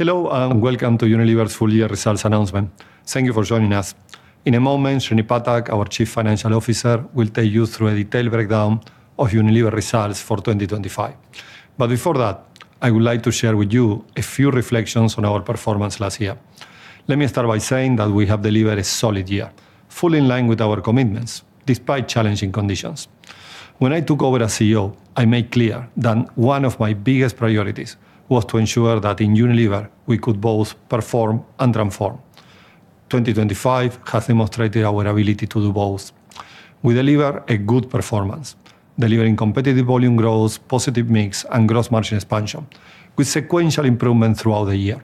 Hello, and welcome to Unilever's Full Year Results Announcement. Thank you for joining us. In a moment, Srinivas Phatak, our Chief Financial Officer, will take you through a detailed breakdown of Unilever results for 2025. But before that, I would like to share with you a few reflections on our performance last year. Let me start by saying that we have delivered a solid year, fully in line with our commitments, despite challenging conditions. When I took over as CEO, I made clear that one of my biggest priorities was to ensure that in Unilever we could both perform and transform. 2025 has demonstrated our ability to do both. We deliver a good performance, delivering competitive volume growth, positive mix, and gross margin expansion, with sequential improvement throughout the year.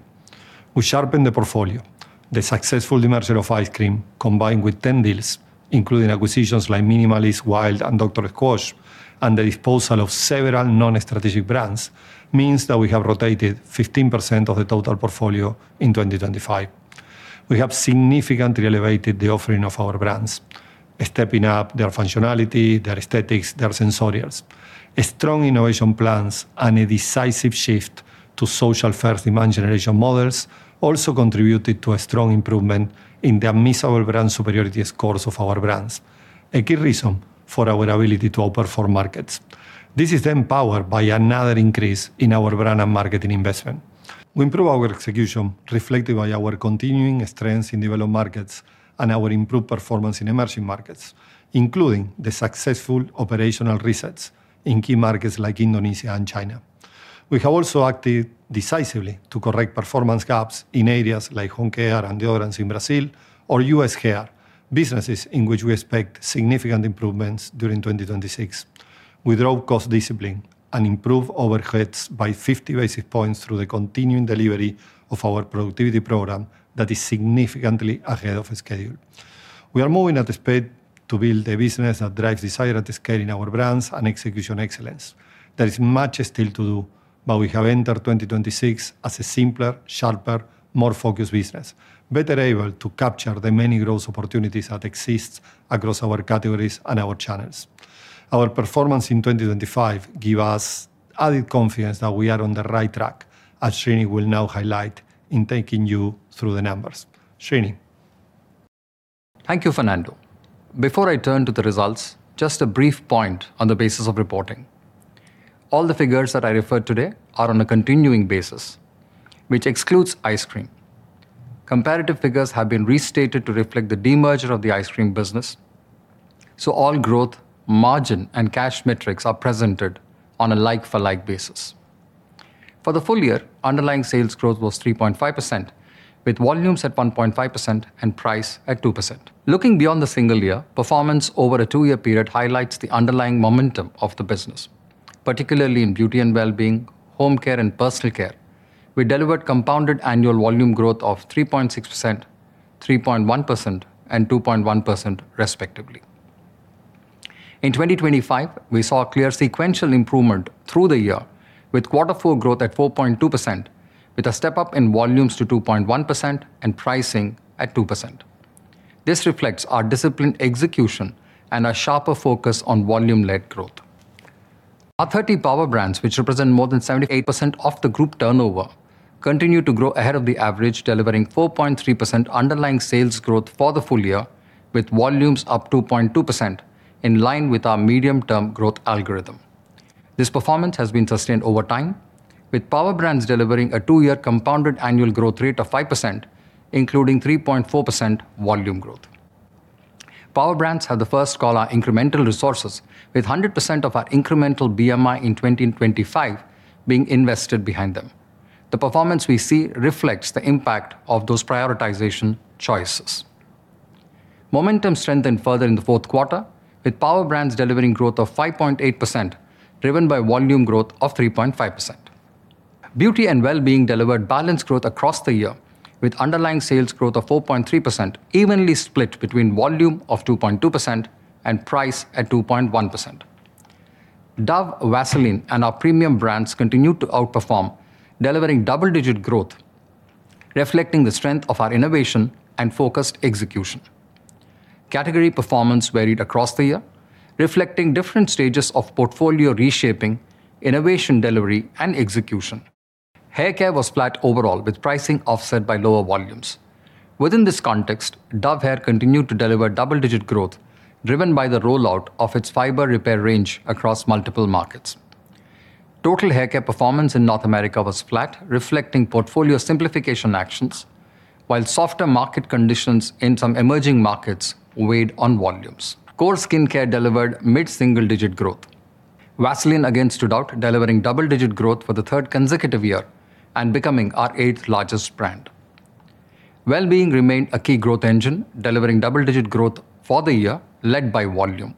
We sharpen the portfolio. The successful demerger of ice cream, combined with 10 deals, including acquisitions like Minimalist, Wild, and Dr. Squatch, and the disposal of several non-strategic brands, means that we have rotated 15% of the total portfolio in 2025. We have significantly elevated the offering of our brands, stepping up their functionality, their aesthetics, their sensorials. A strong innovation plans and a decisive shift to social first demand generation models also contributed to a strong improvement in the measurable brand superiority scores of our brands, a key reason for our ability to outperform markets. This is then powered by another increase in our brand and marketing investment. We improve our execution, reflected by our continuing strength in developed markets and our improved performance in emerging markets, including the successful operational resets in key markets like Indonesia and China. We have also acted decisively to correct performance gaps in areas like home care and deodorants in Brazil or U.S. hair, businesses in which we expect significant improvements during 2026. We drove cost discipline and improved overheads by 50 basis points through the continuing delivery of our productivity program that is significantly ahead of schedule. We are moving at speed to build a business that drives desire at scale in our brands and execution excellence. There is much still to do, but we have entered 2026 as a simpler, sharper, more focused business, better able to capture the many growth opportunities that exist across our categories and our channels. Our performance in 2025 give us added confidence that we are on the right track, as Srini will now highlight in taking you through the numbers. Srini? Thank you, Fernando. Before I turn to the results, just a brief point on the basis of reporting. All the figures that I refer today are on a continuing basis, which excludes ice cream. Comparative figures have been restated to reflect the demerger of the ice cream business, so all growth, margin, and cash metrics are presented on a like-for-like basis. For the full year, underlying sales growth was 3.5%, with volumes at 1.5% and price at 2%. Looking beyond the single year, performance over a two-year period highlights the underlying momentum of the business, particularly in beauty and wellbeing, home care, and personal care. We delivered compounded annual volume growth of 3.6%, 3.1%, and 2.1%, respectively. In 2025, we saw a clear sequential improvement through the year, with quarter four growth at 4.2%, with a step up in volumes to 2.1% and pricing at 2%. This reflects our disciplined execution and a sharper focus on volume-led growth. Our 30 Power Brands, which represent more than 78% of the group turnover, continue to grow ahead of the average, delivering 4.3% underlying sales growth for the full year, with volumes up 2.2%, in line with our medium-term growth algorithm. This performance has been sustained over time, with Power Brands delivering a two-year compounded annual growth rate of 5%, including 3.4% volume growth. Power Brands have the first call our incremental resources, with 100% of our incremental BMI in 2025 being invested behind them. The performance we see reflects the impact of those prioritization choices. Momentum strengthened further in the fourth quarter, with Power Brands delivering growth of 5.8%, driven by volume growth of 3.5%. Beauty and Wellbeing delivered balanced growth across the year, with underlying sales growth of 4.3%, evenly split between volume of 2.2% and price at 2.1%. Dove, Vaseline, and our premium brands continued to outperform, delivering double-digit growth, reflecting the strength of our innovation and focused execution. Category performance varied across the year, reflecting different stages of portfolio reshaping, innovation delivery, and execution. Hair care was flat overall, with pricing offset by lower volumes. Within this context, Dove Hair continued to deliver double-digit growth, driven by the rollout of its Fiber Repair range across multiple markets. Total hair care performance in North America was flat, reflecting portfolio simplification actions, while softer market conditions in some emerging markets weighed on volumes. Core skincare delivered mid-single-digit growth. Vaseline again stood out, delivering double-digit growth for the third consecutive year and becoming our eighth largest brand. Wellbeing remained a key growth engine, delivering double-digit growth for the year, led by volume.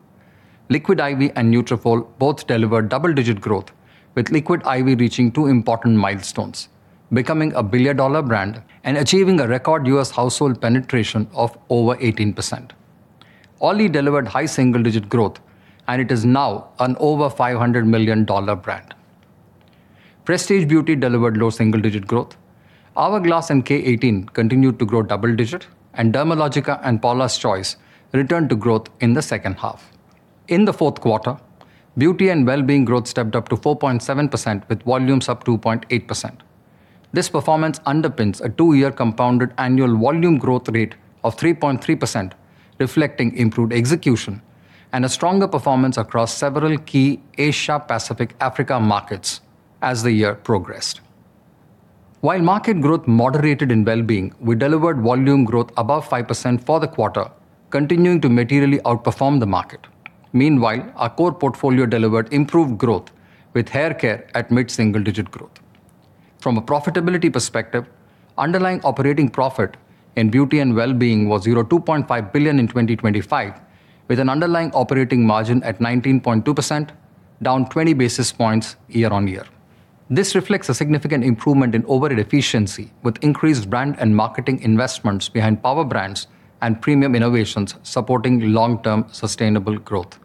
Liquid I.V. and Nutrafol both delivered double-digit growth, with Liquid I.V. reaching two important milestones: becoming a $1 billion brand and achieving a record U.S. household penetration of over 18%. OLLY delivered high single-digit growth, and it is now an over $500 million brand. Prestige Beauty delivered low double-digit growth. Hourglass and K18 continued to grow double-digit, and Dermalogica and Paula's Choice returned to growth in the second half. In the fourth quarter, Beauty and Wellbeing growth stepped up to 4.7%, with volumes up 2.8%. This performance underpins a two-year compounded annual volume growth rate of 3.3%, reflecting improved execution and a stronger performance across several key Asia-Pacific Africa markets as the year progressed. While market growth moderated in Wellbeing, we delivered volume growth above 5% for the quarter, continuing to materially outperform the market. Meanwhile, our core portfolio delivered improved growth, with haircare at mid-single-digit growth. From a profitability perspective, underlying operating profit in Beauty and Wellbeing was 2.5 billion in 2025, with an underlying operating margin at 19.2%, down 20 basis points year-on-year. This reflects a significant improvement in overhead efficiency, with increased brand and marketing investments behind Power Brands and premium innovations supporting long-term sustainable growth.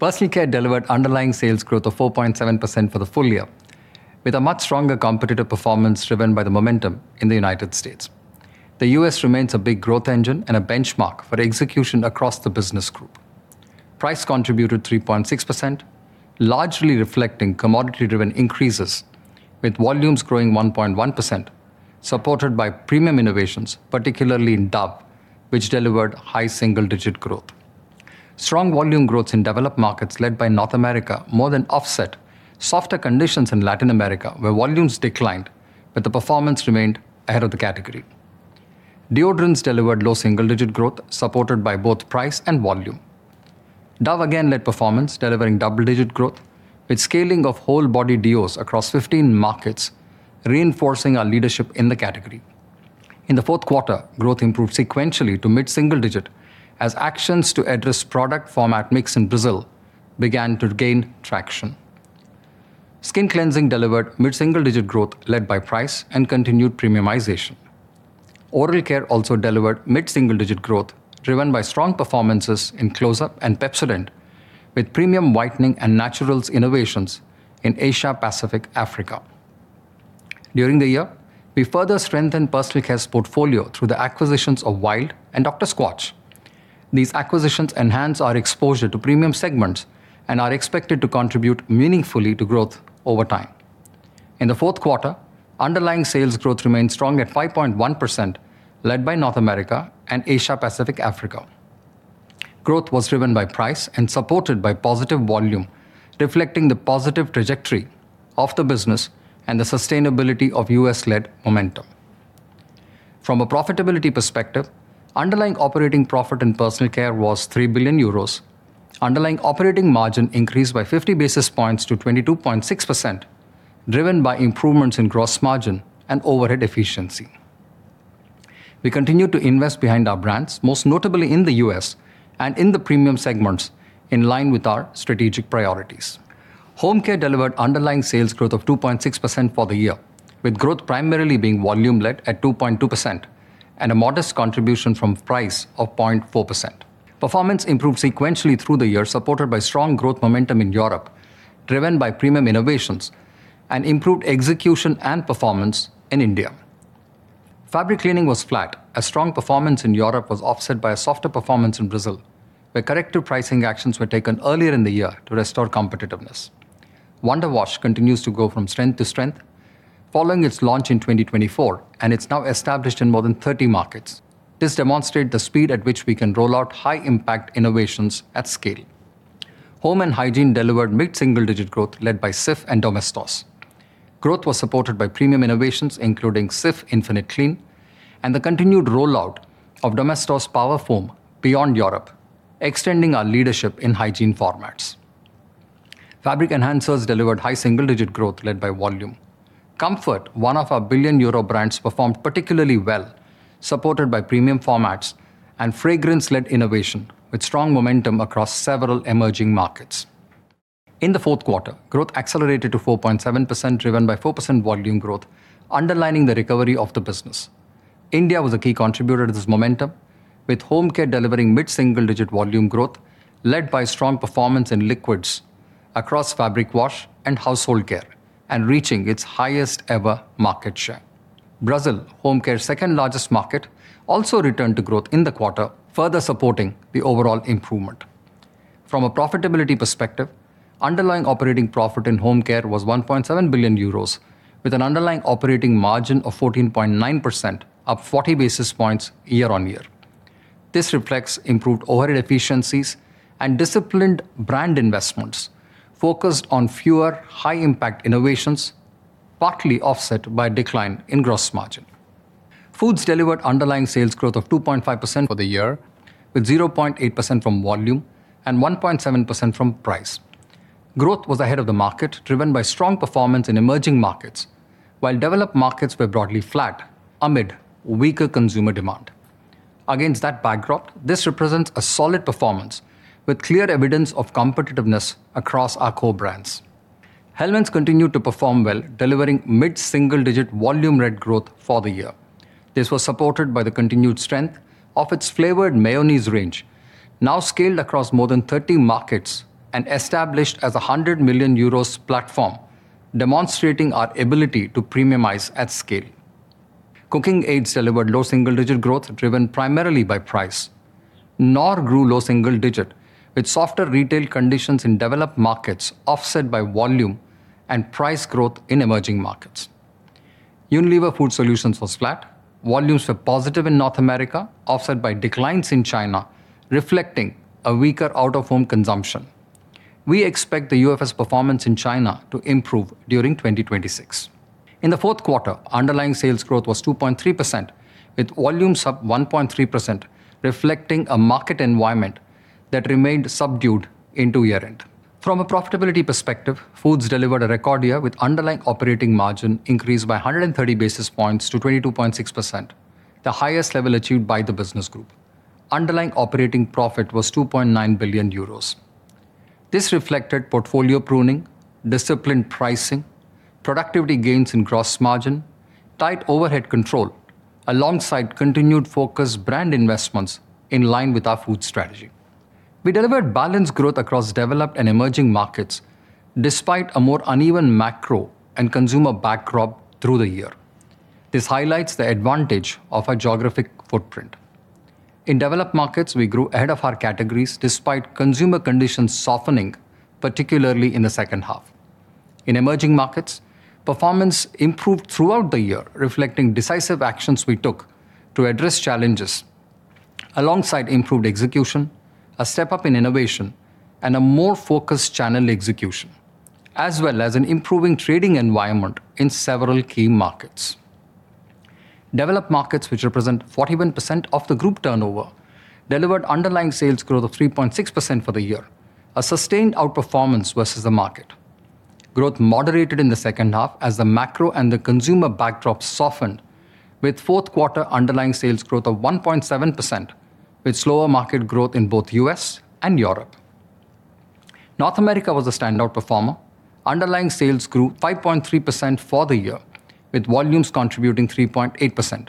Personal Care delivered underlying sales growth of 4.7% for the full year, with a much stronger competitive performance driven by the momentum in the United States. The U.S. remains a big growth engine and a benchmark for execution across the business group. Price contributed 3.6%, largely reflecting commodity-driven increases, with volumes growing 1.1%, supported by premium innovations, particularly in Dove, which delivered high single-digit growth. Strong volume growth in developed markets, led by North America, more than offset softer conditions in Latin America, where volumes declined, but the performance remained ahead of the category. Deodorants delivered low single-digit growth, supported by both price and volume. Dove again led performance, delivering double-digit growth, with scaling of whole body deos across 15 markets, reinforcing our leadership in the category. In the fourth quarter, growth improved sequentially to mid-single-digit, as actions to address product format mix in Brazil began to gain traction. Skin cleansing delivered mid-single-digit growth, led by price and continued premiumization. Oral care also delivered mid-single-digit growth, driven by strong performances in Close-Up and Pepsodent, with premium whitening and naturals innovations in Asia-Pacific Africa. During the year, we further strengthened Personal Care's portfolio through the acquisitions of Wild and Dr. Squatch. These acquisitions enhance our exposure to premium segments and are expected to contribute meaningfully to growth over time. In the fourth quarter, underlying sales growth remained strong at 5.1%, led by North America and Asia-Pacific Africa. Growth was driven by price and supported by positive volume, reflecting the positive trajectory of the business and the sustainability of US-led momentum. From a profitability perspective, underlying operating profit in Personal Care was 3 billion euros. Underlying operating margin increased by 50 basis points to 22.6%, driven by improvements in gross margin and overhead efficiency. We continued to invest behind our brands, most notably in the U.S. and in the premium segments, in line with our strategic priorities. Home Care delivered underlying sales growth of 2.6% for the year, with growth primarily being volume-led at 2.2% and a modest contribution from price of 0.4%. Performance improved sequentially through the year, supported by strong growth momentum in Europe, driven by premium innovations and improved execution and performance in India. Fabric cleaning was flat, as strong performance in Europe was offset by a softer performance in Brazil, where corrective pricing actions were taken earlier in the year to restore competitiveness. Wonder Wash continues to go from strength to strength following its launch in 2024, and it's now established in more than 30 markets. This demonstrates the speed at which we can roll out high-impact innovations at scale. Home and Hygiene delivered mid-single-digit growth, led by Cif and Domestos. Growth was supported by premium innovations, including Cif Infinite Clean, and the continued rollout of Domestos Power Foam beyond Europe, extending our leadership in hygiene formats. Fabric enhancers delivered high single-digit growth led by volume. Comfort, one of our billion-euro brands, performed particularly well, supported by premium formats and fragrance-led innovation, with strong momentum across several emerging markets. In the fourth quarter, growth accelerated to 4.7%, driven by 4% volume growth, underlining the recovery of the business. India was a key contributor to this momentum, with Home Care delivering mid-single-digit volume growth, led by strong performance in liquids across fabric wash and household care, and reaching its highest ever market share. Brazil, Home Care's second-largest market, also returned to growth in the quarter, further supporting the overall improvement. From a profitability perspective, underlying operating profit in Home Care was 1.7 billion euros, with an underlying operating margin of 14.9%, up 40 basis points year-on-year. This reflects improved overhead efficiencies and disciplined brand investments focused on fewer, high-impact innovations, partly offset by a decline in gross margin. Foods delivered underlying sales growth of 2.5% for the year, with 0.8% from volume and 1.7% from price. Growth was ahead of the market, driven by strong performance in emerging markets, while developed markets were broadly flat amid weaker consumer demand. Against that backdrop, this represents a solid performance, with clear evidence of competitiveness across our core brands. Hellmann's continued to perform well, delivering mid-single-digit volume led growth for the year. This was supported by the continued strength of its flavored mayonnaise range, now scaled across more than 30 markets and established as a 100 million euros platform, demonstrating our ability to premiumize at scale. Cooking aids delivered low single-digit growth, driven primarily by price. Knorr grew low single digit, with softer retail conditions in developed markets offset by volume and price growth in emerging markets. Unilever Food Solutions was flat. Volumes were positive in North America, offset by declines in China, reflecting a weaker out-of-home consumption. We expect the UFS performance in China to improve during 2026. In the fourth quarter, underlying sales growth was 2.3%, with volumes up 1.3%, reflecting a market environment that remained subdued into year-end. From a profitability perspective, Foods delivered a record year, with underlying operating margin increased by 130 basis points to 22.6%, the highest level achieved by the business group. Underlying operating profit was 2.9 billion euros. This reflected portfolio pruning, disciplined pricing, productivity gains in gross margin, tight overhead control, alongside continued focused brand investments in line with our food strategy. We delivered balanced growth across developed and emerging markets, despite a more uneven macro and consumer backdrop through the year. This highlights the advantage of our geographic footprint. In developed markets, we grew ahead of our categories, despite consumer conditions softening, particularly in the second half. In emerging markets, performance improved throughout the year, reflecting decisive actions we took to address challenges, alongside improved execution, a step-up in innovation, and a more focused channel execution, as well as an improving trading environment in several key markets. Developed markets, which represent 41% of the group turnover, delivered underlying sales growth of 3.6% for the year, a sustained outperformance versus the market. Growth moderated in the second half as the macro and the consumer backdrop softened, with fourth quarter underlying sales growth of 1.7%, with slower market growth in both U.S. and Europe. North America was a standout performer. Underlying sales grew 5.3% for the year, with volumes contributing 3.8%,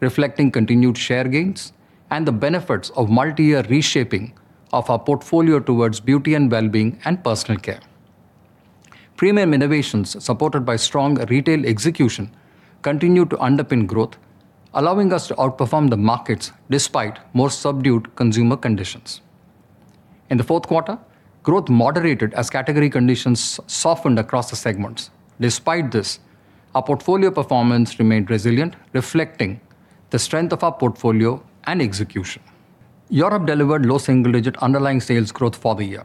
reflecting continued share gains and the benefits of multi-year reshaping of our portfolio towards beauty and wellbeing and personal care. Premium innovations, supported by strong retail execution, continued to underpin growth, allowing us to outperform the markets despite more subdued consumer conditions. In the fourth quarter, growth moderated as category conditions softened across the segments. Despite this, our portfolio performance remained resilient, reflecting the strength of our portfolio and execution. Europe delivered low single-digit underlying sales growth for the year.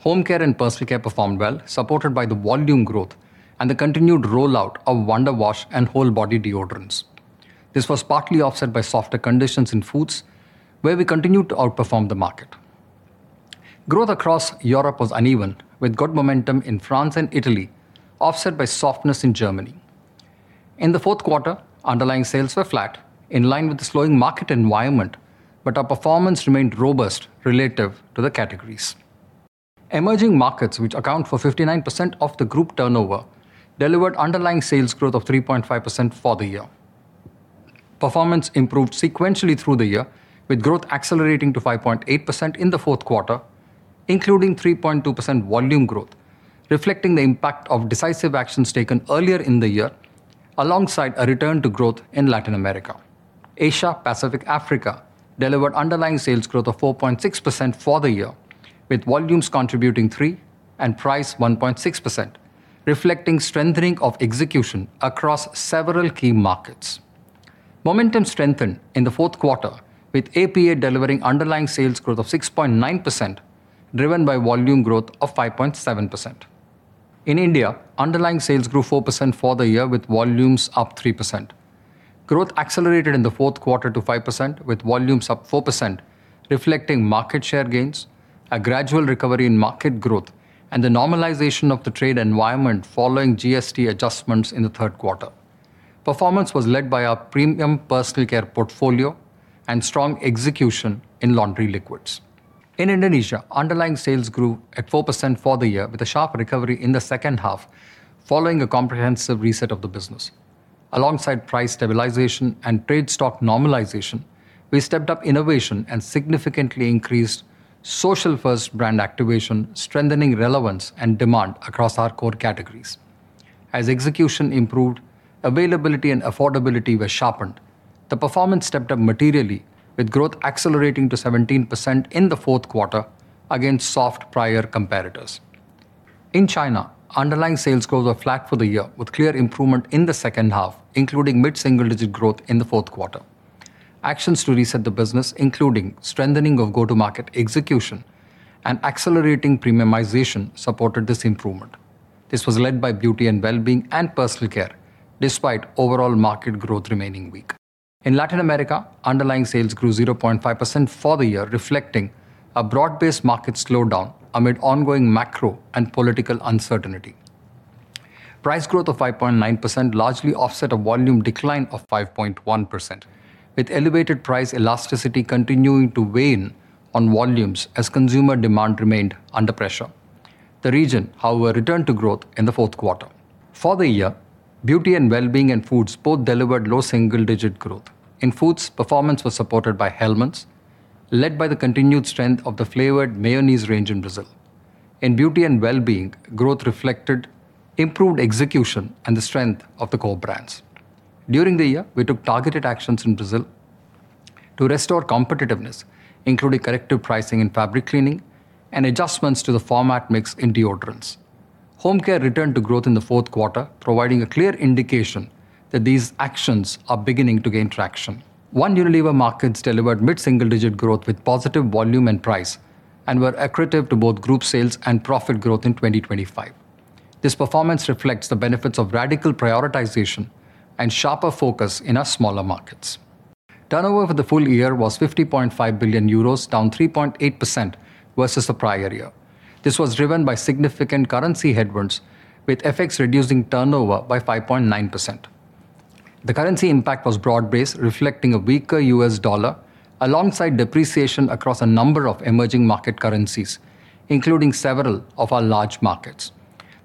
Home care and personal care performed well, supported by the volume growth and the continued rollout of Wonder Wash and whole body deodorants. This was partly offset by softer conditions in foods, where we continued to outperform the market. Growth across Europe was uneven, with good momentum in France and Italy, offset by softness in Germany. In the fourth quarter, underlying sales were flat, in line with the slowing market environment, but our performance remained robust relative to the categories. Emerging markets, which account for 59% of the group turnover, delivered underlying sales growth of 3.5% for the year. Performance improved sequentially through the year, with growth accelerating to 5.8% in the fourth quarter, including 3.2% volume growth, reflecting the impact of decisive actions taken earlier in the year, alongside a return to growth in Latin America. Asia Pacific Africa delivered underlying sales growth of 4.6% for the year, with volumes contributing 3% and price 1.6%, reflecting strengthening of execution across several key markets. Momentum strengthened in the fourth quarter, with APA delivering underlying sales growth of 6.9%, driven by volume growth of 5.7%. In India, underlying sales grew 4% for the year, with volumes up 3%. Growth accelerated in the fourth quarter to 5%, with volumes up 4%, reflecting market share gains, a gradual recovery in market growth, and the normalization of the trade environment following GST adjustments in the third quarter. Performance was led by our premium personal care portfolio and strong execution in laundry liquids. In Indonesia, underlying sales grew at 4% for the year, with a sharp recovery in the second half, following a comprehensive reset of the business. Alongside price stabilization and trade stock normalization, we stepped up innovation and significantly increased social-first brand activation, strengthening relevance and demand across our core categories. As execution improved, availability and affordability were sharpened. The performance stepped up materially, with growth accelerating to 17% in the fourth quarter against soft prior comparators. In China, underlying sales growth were flat for the year, with clear improvement in the second half, including mid-single digit growth in the fourth quarter. Actions to reset the business, including strengthening of go-to-market execution and accelerating premiumization, supported this improvement. This was led by beauty and wellbeing and personal care, despite overall market growth remaining weak. In Latin America, underlying sales grew 0.5% for the year, reflecting a broad-based market slowdown amid ongoing macro and political uncertainty. Price growth of 5.9% largely offset a volume decline of 5.1%, with elevated price elasticity continuing to wane on volumes as consumer demand remained under pressure. The region, however, returned to growth in the fourth quarter. For the year, Beauty and Wellbeing and Foods both delivered low single-digit growth. In Foods, performance was supported by Hellmann's, led by the continued strength of the flavored mayonnaise range in Brazil. In Beauty and Wellbeing, growth reflected improved execution and the strength of the core brands. During the year, we took targeted actions in Brazil to restore competitiveness, including corrective pricing in fabric cleaning and adjustments to the format mix in deodorants. Home Care returned to growth in the fourth quarter, providing a clear indication that these actions are beginning to gain traction. One Unilever markets delivered mid-single-digit growth with positive volume and price, and were accretive to both group sales and profit growth in 2025. This performance reflects the benefits of radical prioritization and sharper focus in our smaller markets. Turnover for the full year was 50.5 billion euros, down 3.8% versus the prior year. This was driven by significant currency headwinds, with FX reducing turnover by 5.9%. The currency impact was broad-based, reflecting a weaker U.S. dollar, alongside depreciation across a number of emerging market currencies, including several of our large markets.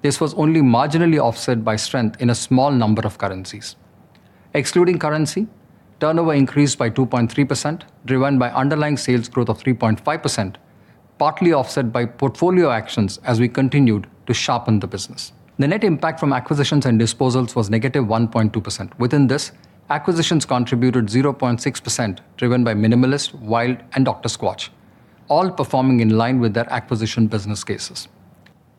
This was only marginally offset by strength in a small number of currencies. Excluding currency, turnover increased by 2.3%, driven by underlying sales growth of 3.5%, partly offset by portfolio actions as we continued to sharpen the business. The net impact from acquisitions and disposals was -1.2%. Within this, acquisitions contributed 0.6%, driven by Minimalist, Wild, and Dr. Squatch, all performing in line with their acquisition business cases.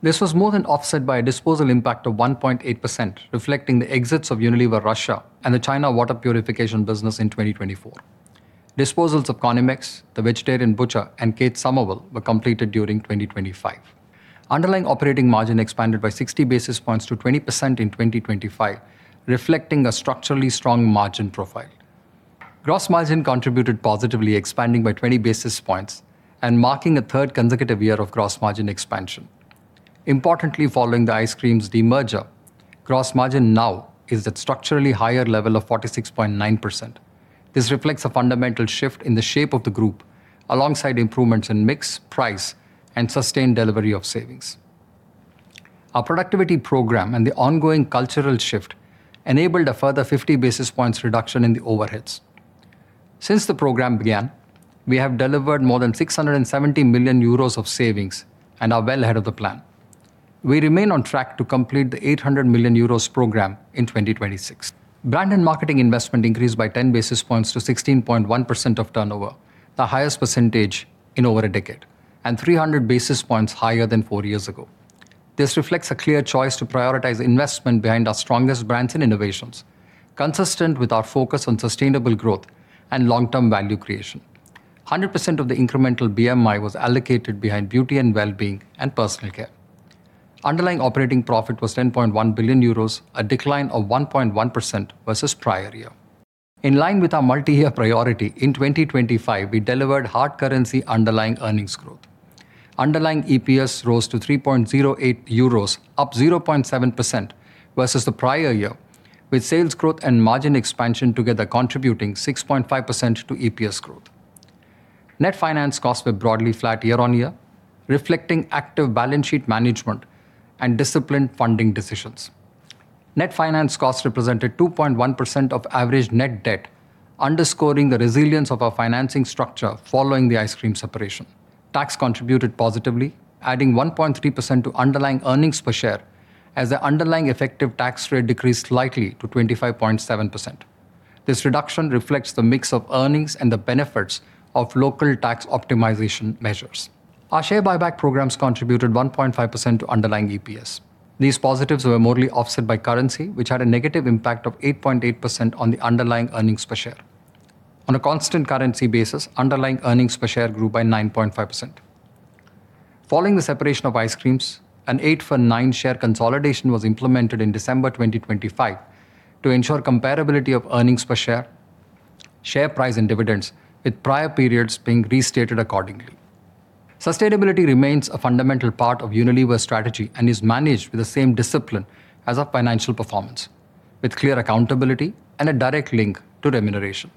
This was more than offset by a disposal impact of 1.8%, reflecting the exits of Unilever Russia and the China water purification business in 2024. Disposals of Conimex, The Vegetarian Butcher, and Kate Somerville were completed during 2025. Underlying operating margin expanded by 60 basis points to 20% in 2025, reflecting a structurally strong margin profile. Gross margin contributed positively, expanding by 20 basis points and marking a third consecutive year of gross margin expansion. Importantly, following the ice creams demerger, gross margin now is at structurally higher level of 46.9%. This reflects a fundamental shift in the shape of the group, alongside improvements in mix, price, and sustained delivery of savings. Our productivity program and the ongoing cultural shift enabled a further 50 basis points reduction in the overheads. Since the program began, we have delivered more than 670 million euros of savings and are well ahead of the plan. We remain on track to complete the 800 million euros program in 2026. Brand and marketing investment increased by 10 basis points to 16.1% of turnover, the highest percentage in over a decade, and 300 basis points higher than four years ago. This reflects a clear choice to prioritize investment behind our strongest brands and innovations, consistent with our focus on sustainable growth and long-term value creation. 100% of the incremental BMI was allocated behind Beauty and Wellbeing and personal care. Underlying operating profit was 10.1 billion euros, a decline of 1.1% versus prior year. In line with our multi-year priority, in 2025, we delivered hard currency underlying earnings growth. Underlying EPS rose to 3.08 euros, up 0.7% versus the prior year, with sales growth and margin expansion together contributing 6.5% to EPS growth. Net finance costs were broadly flat year on year, reflecting active balance sheet management and disciplined funding decisions. Net finance costs represented 2.1% of average net debt, underscoring the resilience of our financing structure following the ice cream separation. Tax contributed positively, adding 1.3% to underlying earnings per share, as the underlying effective tax rate decreased slightly to 25.7%. This reduction reflects the mix of earnings and the benefits of local tax optimization measures. Our share buyback programs contributed 1.5% to underlying EPS. These positives were more than offset by currency, which had a negative impact of 8.8% on the underlying earnings per share. On a constant currency basis, underlying earnings per share grew by 9.5%. Following the separation of ice creams, an eight-for-nine share consolidation was implemented in December 2025, to ensure comparability of earnings per share, share price, and dividends, with prior periods being restated accordingly. Sustainability remains a fundamental part of Unilever's strategy and is managed with the same discipline as our financial performance, with clear accountability and a direct link to remuneration.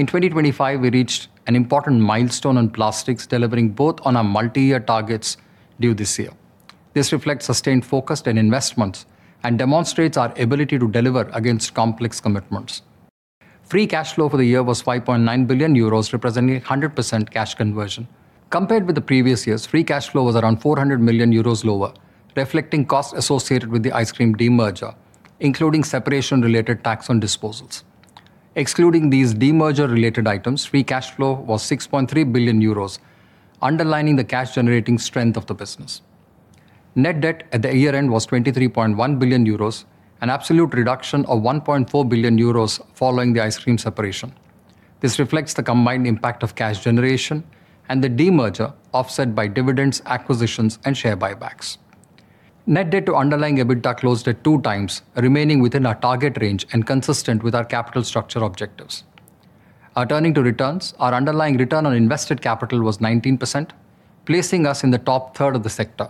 In 2025, we reached an important milestone on plastics, delivering both on our multi-year targets due this year. This reflects sustained focus and investments and demonstrates our ability to deliver against complex commitments. Free cash flow for the year was 5.9 billion euros, representing 100% cash conversion. Compared with the previous years, free cash flow was around 400 million euros lower, reflecting costs associated with the ice cream demerger, including separation-related tax on disposals. Excluding these demerger-related items, free cash flow was 6.3 billion euros, underlining the cash-generating strength of the business. Net debt at the year-end was 23.1 billion euros, an absolute reduction of 1.4 billion euros following the ice cream separation. This reflects the combined impact of cash generation and the demerger, offset by dividends, acquisitions, and share buybacks. Net debt to underlying EBITDA closed at 2x, remaining within our target range and consistent with our capital structure objectives. Turning to returns, our underlying return on invested capital was 19%, placing us in the top third of the sector.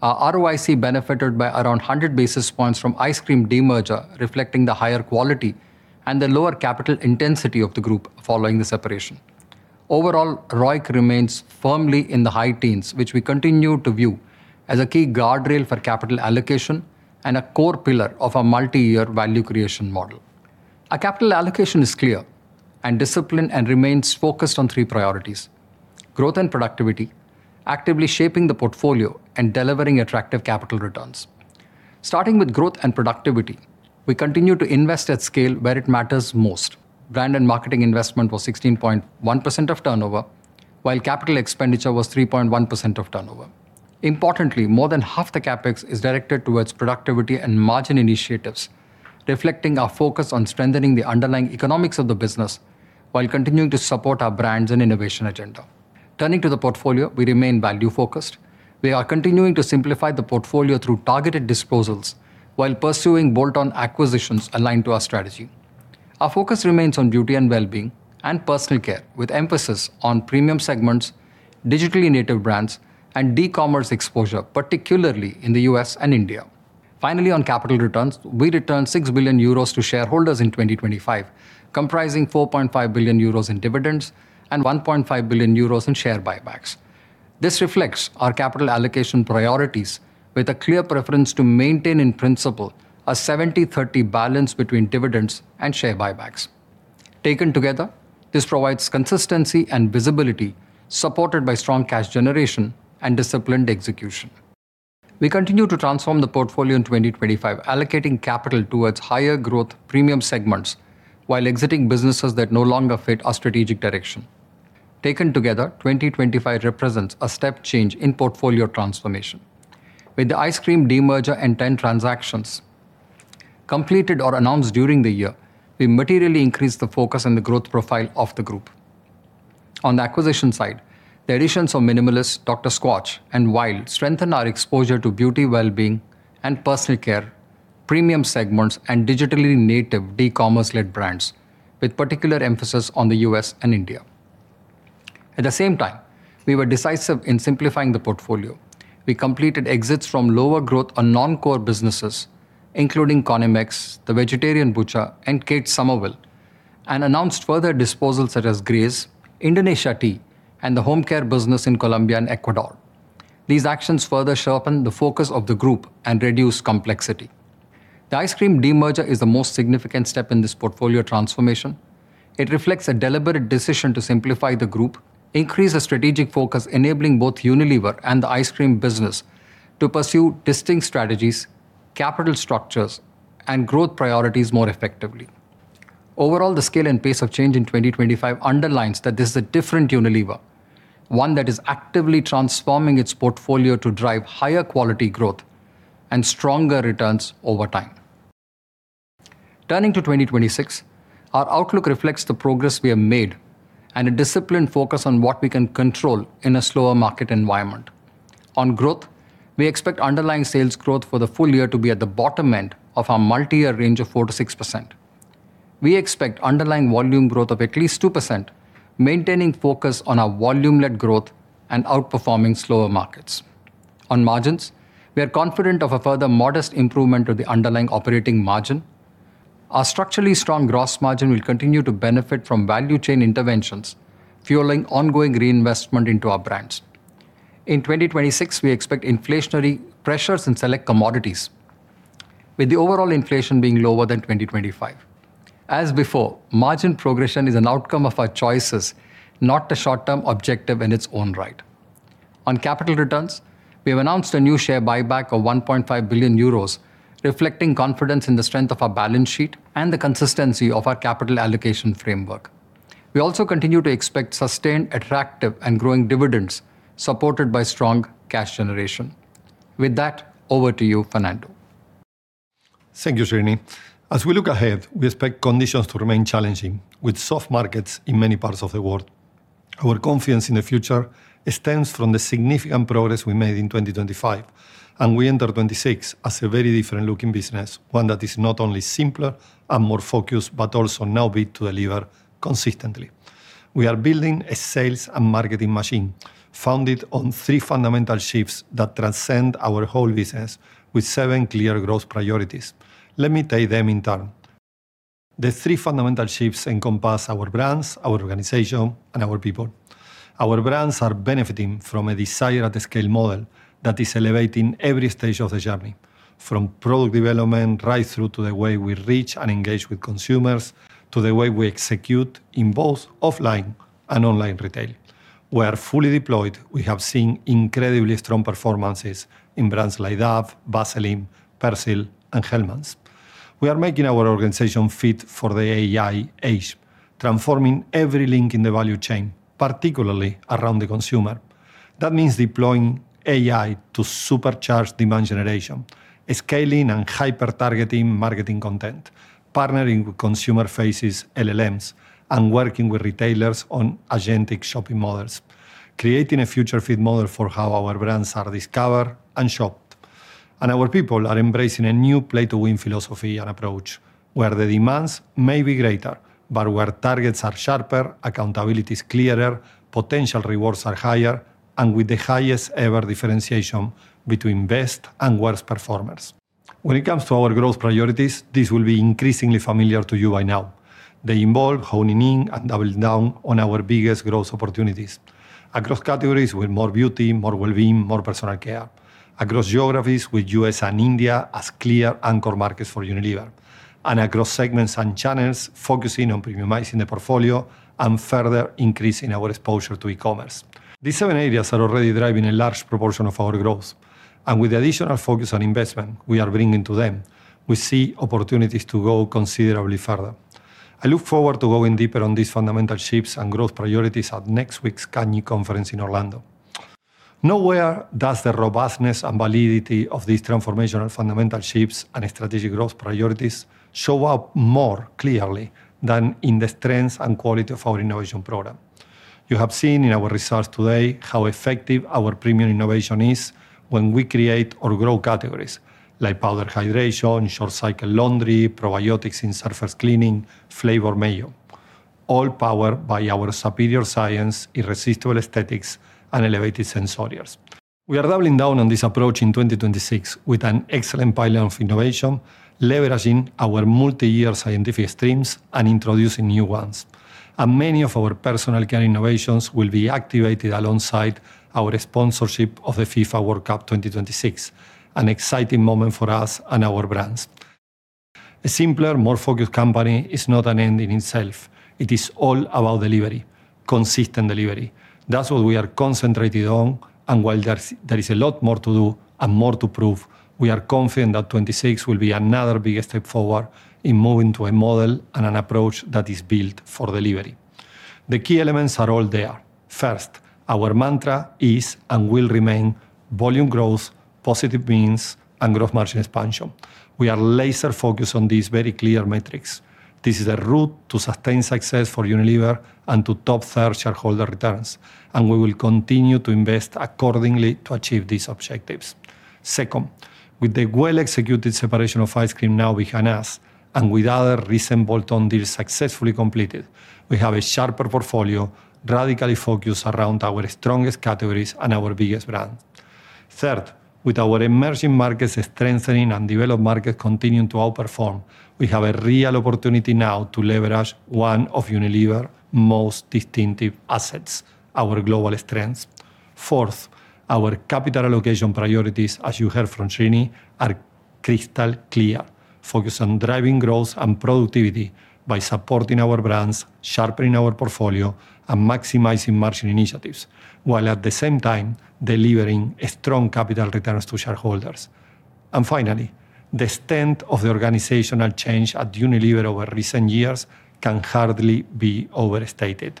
Our ROIC benefited by around 100 basis points from ice cream demerger, reflecting the higher quality and the lower capital intensity of the group following the separation. Overall, ROIC remains firmly in the high teens, which we continue to view as a key guardrail for capital allocation and a core pillar of our multi-year value creation model. Our capital allocation is clear and disciplined and remains focused on three priorities: growth and productivity, actively shaping the portfolio, and delivering attractive capital returns. Starting with growth and productivity, we continue to invest at scale where it matters most. Brand and marketing investment was 16.1% of turnover, while capital expenditure was 3.1% of turnover. Importantly, more than half the CapEx is directed towards productivity and margin initiatives, reflecting our focus on strengthening the underlying economics of the business, while continuing to support our brands and innovation agenda. Turning to the portfolio, we remain value focused. We are continuing to simplify the portfolio through targeted disposals while pursuing bolt-on acquisitions aligned to our strategy. Our focus remains on beauty and wellbeing, and personal care, with emphasis on premium segments, digitally native brands, and dCommerce exposure, particularly in the U.S. and India. Finally, on capital returns, we returned 6 billion euros to shareholders in 2025, comprising 4.5 billion euros in dividends and 1.5 billion euros in share buybacks. This reflects our capital allocation priorities with a clear preference to maintain, in principle, a 70/30 balance between dividends and share buybacks. Taken together, this provides consistency and visibility, supported by strong cash generation and disciplined execution. We continue to transform the portfolio in 2025, allocating capital towards higher growth premium segments while exiting businesses that no longer fit our strategic direction. Taken together, 2025 represents a step change in portfolio transformation. With the ice cream demerger and 10 transactions completed or announced during the year, we materially increased the focus on the growth profile of the group. On the acquisition side, the additions of Minimalist, Dr. Squatch, and Wild strengthened our exposure to Beauty, Wellbeing, and Personal Care, premium segments, and digitally native dCommerce-led brands, with particular emphasis on the U.S. and India. At the same time, we were decisive in simplifying the portfolio. We completed exits from lower growth on non-core businesses, including Conimex, The Vegetarian Butcher, and Kate Somerville, and announced further disposals such as Graze, Indonesia Tea, and the home care business in Colombia and Ecuador. These actions further sharpen the focus of the group and reduce complexity. The ice cream demerger is the most significant step in this portfolio transformation. It reflects a deliberate decision to simplify the group, increase the strategic focus, enabling both Unilever and the ice cream business to pursue distinct strategies, capital structures, and growth priorities more effectively. Overall, the scale and pace of change in 2025 underlines that this is a different Unilever, one that is actively transforming its portfolio to drive higher quality growth and stronger returns over time. Turning to 2026, our outlook reflects the progress we have made and a disciplined focus on what we can control in a slower market environment. On growth, we expect underlying sales growth for the full year to be at the bottom end of our multi-year range of 4%-6%. We expect underlying volume growth of at least 2%, maintaining focus on our volume-led growth and outperforming slower markets. On margins, we are confident of a further modest improvement of the underlying operating margin. Our structurally strong gross margin will continue to benefit from value chain interventions, fueling ongoing reinvestment into our brands. In 2026, we expect inflationary pressures in select commodities, with the overall inflation being lower than 2025. As before, margin progression is an outcome of our choices, not a short-term objective in its own right. On capital returns, we have announced a new share buyback of 1.5 billion euros, reflecting confidence in the strength of our balance sheet and the consistency of our capital allocation framework. We also continue to expect sustained, attractive, and growing dividends, supported by strong cash generation. With that, over to you, Fernando. Thank you, Srini. As we look ahead, we expect conditions to remain challenging, with soft markets in many parts of the world. Our confidence in the future stems from the significant progress we made in 2025, and we enter 2026 as a very different looking business, one that is not only simpler and more focused, but also now best to deliver consistently. We are building a sales and marketing machine founded on three fundamental shifts that transcend our whole business with seven clear growth priorities. Let me tell you them in turn. The three fundamental shifts encompass our brands, our organization, and our people. Our brands are benefiting from a desire at the scale model that is elevating every stage of the journey, from product development, right through to the way we reach and engage with consumers, to the way we execute in both offline and online retail. Where fully deployed, we have seen incredibly strong performances in brands like Dove, Vaseline, Persil, and Hellmann's. We are making our organization fit for the AI age, transforming every link in the value chain, particularly around the consumer. That means deploying AI to supercharge demand generation, scaling and hyper targeting marketing content, partnering with consumer faces, LLMs, and working with retailers on Agentic Shopping Models, creating a future fit model for how our brands are discovered and shopped. Our people are embracing a new play to win philosophy and approach, where the demands may be greater, but where targets are sharper, accountability is clearer, potential rewards are higher, and with the highest ever differentiation between best and worst performers. When it comes to our growth priorities, this will be increasingly familiar to you by now. They involve honing in and doubling down on our biggest growth opportunities. Across categories with more beauty, more wellbeing, more personal care. Across geographies with U.S. and India as clear anchor markets for Unilever. And across segments and channels, focusing on premiumizing the portfolio and further increasing our exposure to e-commerce. These seven areas are already driving a large proportion of our growth, and with the additional focus on investment we are bringing to them, we see opportunities to go considerably further. I look forward to going deeper on these fundamental shifts and growth priorities at next week's CAGNY Conference in Orlando. Nowhere does the robustness and validity of these transformational fundamental shifts and strategic growth priorities show up more clearly than in the strength and quality of our innovation program. You have seen in our results today how effective our premium innovation is when we create or grow categories like powder hydration, short cycle laundry, probiotics in surface cleaning, flavored mayo, all powered by our superior science, irresistible aesthetics, and elevated sensorials. We are doubling down on this approach in 2026 with an excellent pipeline of innovation, leveraging our multi-year scientific streams and introducing new ones. Many of our personal care innovations will be activated alongside our sponsorship of the FIFA World Cup 2026, an exciting moment for us and our brands. A simpler, more focused company is not an end in itself. It is all about delivery, consistent delivery. That's what we are concentrated on, and while there is a lot more to do and more to prove, we are confident that 2026 will be another big step forward in moving to a model and an approach that is built for delivery. The key elements are all there. First, our mantra is and will remain volume growth, positive means, and grow margin expansion. We are laser focused on these very clear metrics. This is a route to sustain success for Unilever and to top third shareholder returns, and we will continue to invest accordingly to achieve these objectives. Second, with the well-executed separation of ice cream now behind us, and with other recent bolt-on deals successfully completed, we have a sharper portfolio, radically focused around our strongest categories and our biggest brand. Third, with our emerging markets strengthening and developed markets continuing to outperform, we have a real opportunity now to leverage one of Unilever's most distinctive assets, our global strengths. Fourth, our capital allocation priorities, as you heard from Srini, are crystal clear, focused on driving growth and productivity by supporting our brands, sharpening our portfolio, and maximizing margin initiatives, while at the same time delivering strong capital returns to shareholders. And finally, the strength of the organizational change at Unilever over recent years can hardly be overstated.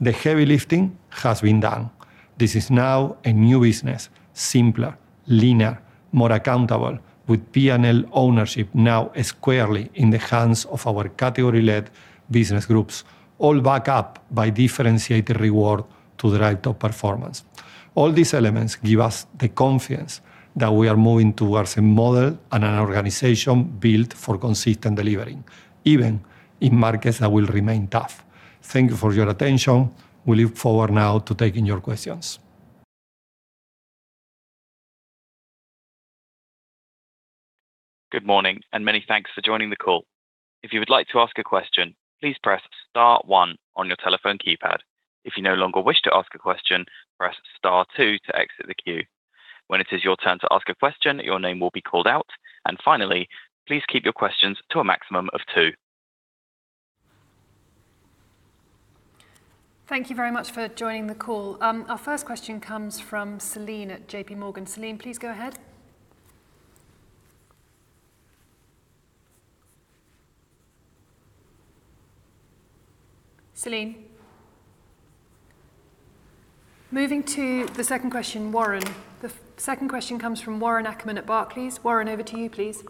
The heavy lifting has been done. This is now a new business, simpler, leaner, more accountable, with P&L ownership now squarely in the hands of our category-led business groups, all backed up by differentiated reward to drive top performance. All these elements give us the confidence that we are moving towards a model and an organization built for consistent delivery, even in markets that will remain tough. Thank you for your attention. We look forward now to taking your questions. Good morning, and many thanks for joining the call. If you would like to ask a question, please press star one on your telephone keypad. If you no longer wish to ask a question, press star two to exit the queue. When it is your turn to ask a question, your name will be called out. Finally, please keep your questions to a maximum of two. Thank you very much for joining the call. Our first question comes from Celine at JPMorgan. Celine, please go ahead. Celine? Moving to the second question, Warren. The second question comes from Warren Ackerman at Barclays. Warren, over to you, please.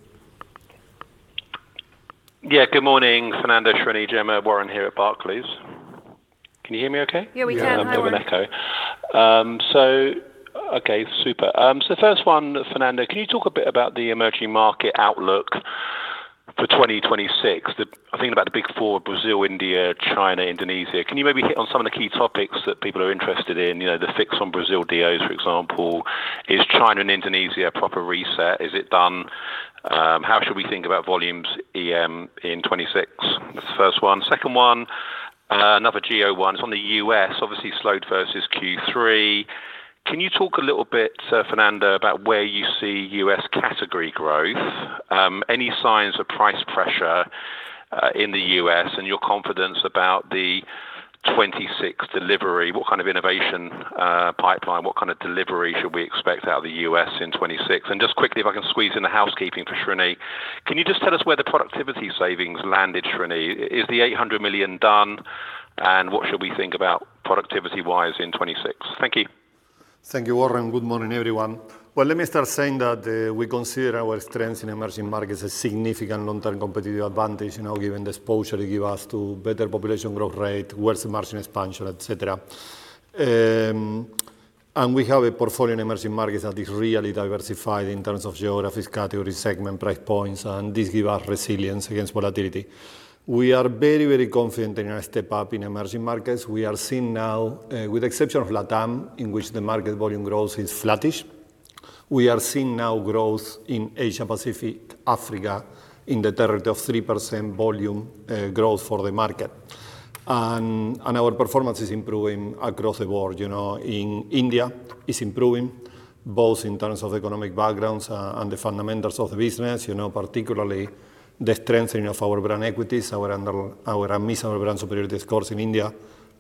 Yeah, good morning, Fernando, Srini, Jemma. Warren here at Barclays. Can you hear me okay? Yeah, we can. Hi, Warren. Got an echo. So okay, super. So the first one, Fernando, can you talk a bit about the emerging market outlook for 2026? I'm thinking about the big four, Brazil, India, China, Indonesia. Can you maybe hit on some of the key topics that people are interested in? You know, the fix on Brazil DOs, for example. Is China and Indonesia a proper reset? Is it done? How should we think about volumes EM in 2026? That's the first one. Second one, another geo one. It's on the U.S., obviously slowed versus Q3. Can you talk a little bit, Fernando, about where you see U.S. category growth? Any signs of price pressure in the U.S. and your confidence about the 2026 delivery? What kind of innovation pipeline, what kind of delivery should we expect out of the U.S. in 2026? Just quickly, if I can squeeze in the housekeeping for Srini, can you just tell us where the productivity savings landed, Srini? Is the 800 million done, and what should we think about productivity-wise in 2026? Thank you. Thank you, Warren. Good morning, everyone. Well, let me start saying that we consider our strengths in emerging markets a significant long-term competitive advantage, you know, given the exposure they give us to better population growth rate, broader margin expansion, et cetera. And we have a portfolio in emerging markets that is really diversified in terms of geographies, category, segment, price points, and this give us resilience against volatility. We are very, very confident in our step up in emerging markets. We are seeing now, with the exception of LatAm, in which the market volume growth is flattish, growth in Asia Pacific, Africa, in the territory of 3% volume growth for the market. And our performance is improving across the board. You know, in India, it's improving both in terms of economic backgrounds and the fundamentals of the business, you know, particularly the strengthening of our brand equities, our Unmissable Brand Superiority scores in India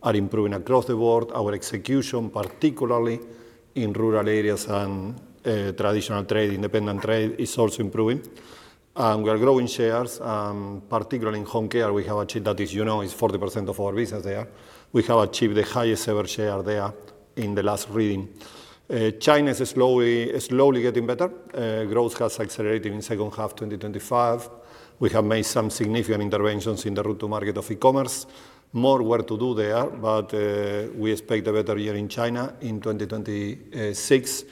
are improving across the board. Our execution, particularly in rural areas and traditional trade, independent trade, is also improving. And we are growing shares, particularly in Home Care. We have achieved that is, you know, is 40% of our business there. We have achieved the highest ever share there in the last reading. China is slowly, slowly getting better. Growth has accelerated in second half, 2025. We have made some significant interventions in the route to market of e-commerce. More work to do there, but we expect a better year in China in 2026.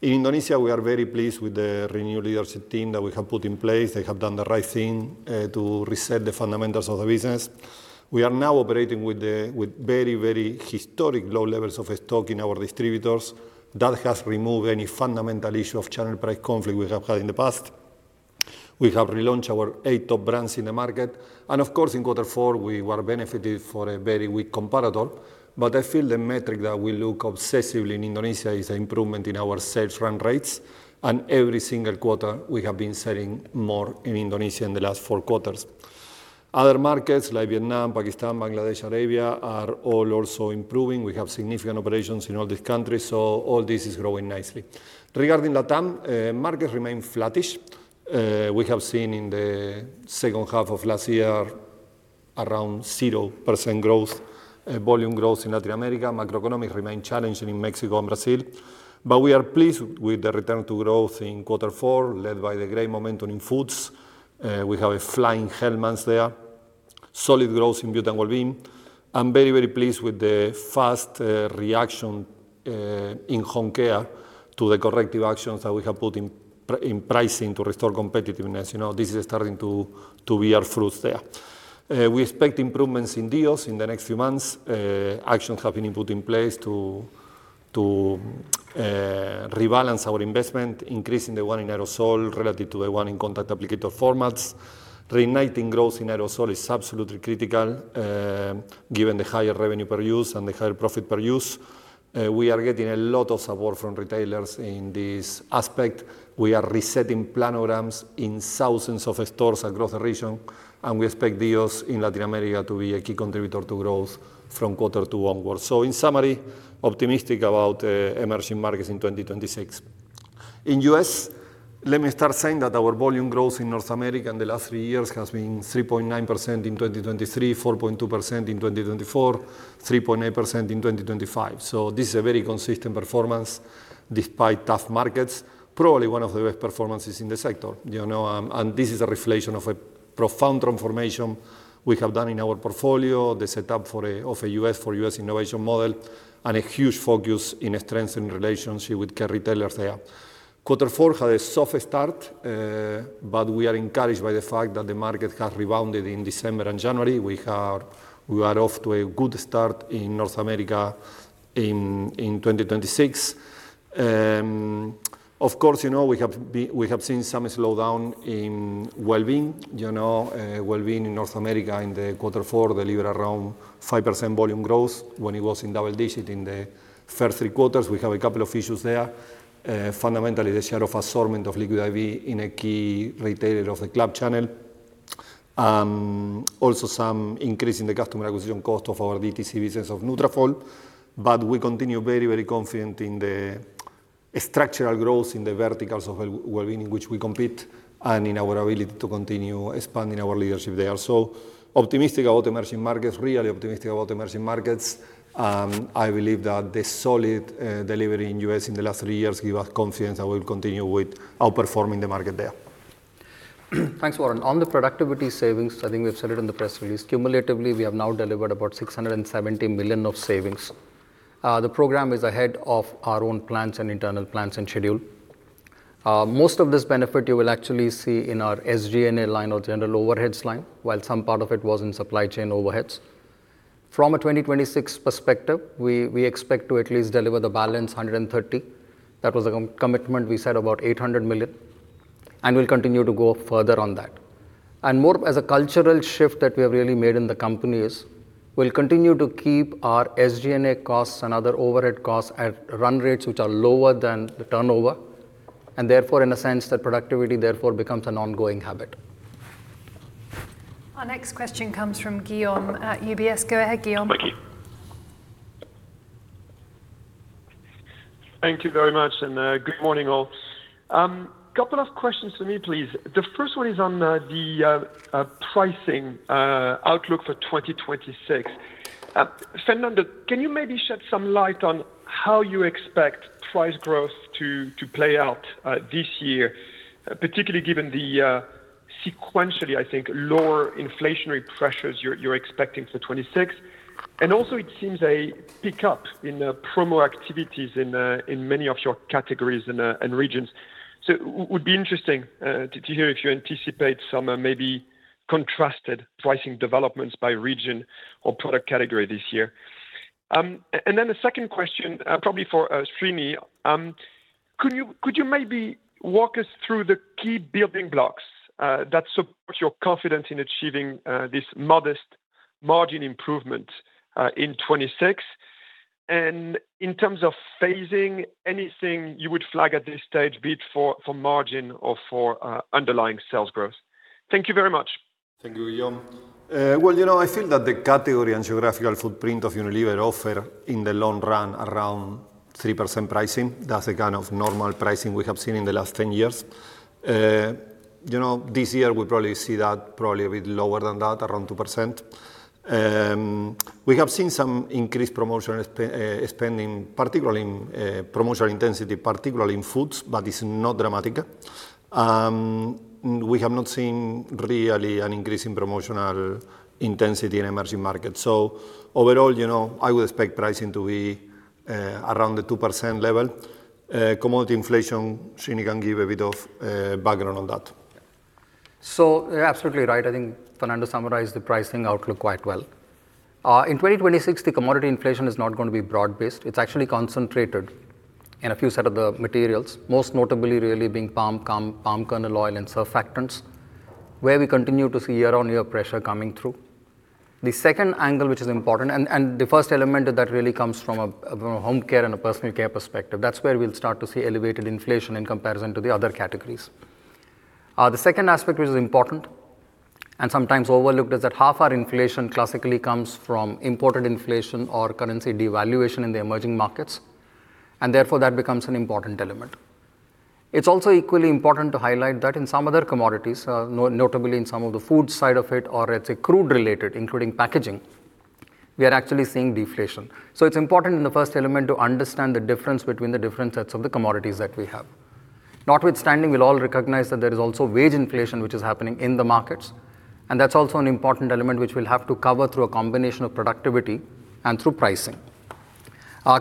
In Indonesia, we are very pleased with the renewed leadership team that we have put in place. They have done the right thing to reset the fundamentals of the business. We are now operating with very, very historic low levels of stock in our distributors. That has removed any fundamental issue of channel price conflict we have had in the past. We have relaunched our eight top brands in the market, and of course, in quarter four, we were benefited for a very weak comparator. But I feel the metric that we look obsessively in Indonesia is the improvement in our sales run rates, and every single quarter, we have been selling more in Indonesia in the last four quarters. Other markets like Vietnam, Pakistan, Bangladesh, Arabia, are all also improving. We have significant operations in all these countries, so all this is growing nicely. Regarding LatAm, markets remain flattish. We have seen in the second half of last year, around 0% growth, volume growth in Latin America. Macroeconomy remain challenging in Mexico and Brazil. But we are pleased with the return to growth in quarter four, led by the great momentum in foods. We have a flying Hellmann's there. Solid growth in Beauty and Wellbeing. I'm very, very pleased with the fast, reaction, in Home Care to the corrective actions that we have put in pricing to restore competitiveness. You know, this is starting to bear fruits there. We expect improvements in deals in the next few months. Actions have been put in place to rebalance our investment, increasing the one in aerosol relative to the one in contact applicator formats. Reigniting growth in aerosol is absolutely critical, given the higher revenue per use and the higher profit per use. We are getting a lot of support from retailers in this aspect. We are resetting planograms in thousands of stores across the region, and we expect deals in Latin America to be a key contributor to growth from quarter two onwards. So in summary, optimistic about, emerging markets in 2026. In U.S., let me start saying that our volume growth in North America in the last three years has been 3.9% in 2023, 4.2% in 2024, 3.8% in 2025. So this is a very consistent performance, despite tough markets. Probably one of the best performances in the sector, you know, and this is a reflection of a profound transformation we have done in our portfolio, the setup for a, of a U.S-for U.S. innovation model, and a huge focus in a strengthened relationship with key retailers there. Quarter four had a soft start, but we are encouraged by the fact that the market has rebounded in December and January. We are off to a good start in North America in 2026. Of course, you know, we have seen some slowdown in Wellbeing. You know, Wellbeing in North America in quarter four delivered around 5% volume growth when it was in double-digit in the first three quarters. We have a couple of issues there. Fundamentally, the share of assortment of Liquid I.V. in a key retailer of the club channel. Also some increase in the customer acquisition cost of our DTC business of Nutrafol. But we continue very, very confident in the structural growth in the verticals of Wellbeing in which we compete and in our ability to continue expanding our leadership there. So optimistic about emerging markets, really optimistic about emerging markets, I believe that the solid delivery in the U.S. in the last three years give us confidence that we'll continue with outperforming the market there. Thanks, Warren. On the productivity savings, I think we've said it in the press release, cumulatively, we have now delivered about 670 million of savings. The program is ahead of our own plans and internal plans and schedule. Most of this benefit you will actually see in our SG&A line or general overheads line, while some part of it was in supply chain overheads. From a 2026 perspective, we expect to at least deliver the balance, 130 million. That was a commitment. We said about 800 million, and we'll continue to go further on that. And more as a cultural shift that we have really made in the company is, we'll continue to keep our SG&A costs and other overhead costs at run rates, which are lower than the turnover, and therefore, in a sense, that productivity therefore becomes an ongoing habit. Our next question comes from Guillaume at UBS. Go ahead, Guillaume. Thank you. Thank you very much, and good morning, all. Couple of questions for me, please. The first one is on the pricing outlook for 2026. Fernando, can you maybe shed some light on how you expect price growth to play out this year, particularly given the sequentially, I think, lower inflationary pressures you're expecting for 2026? And also, it seems a pick-up in the promo activities in many of your categories and regions. So would be interesting to hear if you anticipate some maybe contrasted pricing developments by region or product category this year. And then the second question probably for Srini. Could you maybe walk us through the key building blocks that support your confidence in achieving this modest margin improvement in 2026? And in terms of phasing, anything you would flag at this stage, be it for margin or for underlying sales growth? Thank you very much. Thank you, Guillaume. Well, you know, I think that the category and geographical footprint of Unilever offer, in the long run, around 3% pricing. That's the kind of normal pricing we have seen in the last 10 years. You know, this year, we probably see that probably a bit lower than that, around 2%. We have seen some increased promotional spending, particularly in promotional intensity, particularly in Foods, but it's not dramatic. We have not seen really an increase in promotional intensity in emerging markets. So overall, you know, I would expect pricing to be around the 2% level. Commodity inflation, Srini can give a bit of background on that. So you're absolutely right. I think Fernando summarized the pricing outlook quite well. In 2026, the commodity inflation is not going to be broad-based. It's actually concentrated in a few set of the materials, most notably really being palm kernel oil and surfactants, where we continue to see year-on-year pressure coming through. The second angle, which is important, and the first element of that really comes from a Home Care and a Personal Care perspective. That's where we'll start to see elevated inflation in comparison to the other categories. The second aspect, which is important and sometimes overlooked, is that half our inflation classically comes from imported inflation or currency devaluation in the emerging markets, and therefore, that becomes an important element. It's also equally important to highlight that in some other commodities, notably in some of the Food side of it or it's crude related, including packaging, we are actually seeing deflation. So it's important in the first element to understand the difference between the different sets of the commodities that we have. Notwithstanding, we'll all recognize that there is also wage inflation, which is happening in the markets, and that's also an important element which we'll have to cover through a combination of productivity and through pricing.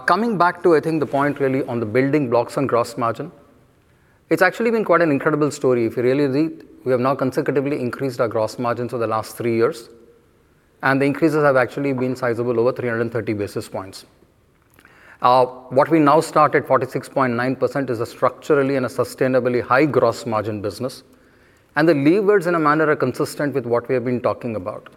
Coming back to, I think, the point really on the building blocks and gross margin, it's actually been quite an incredible story. If you really read, we have now consecutively increased our gross margin for the last three years, and the increases have actually been sizable, over 330 basis points. What we now start at 46.9% is a structurally and a sustainably high gross margin business, and the levers, in a manner, are consistent with what we have been talking about.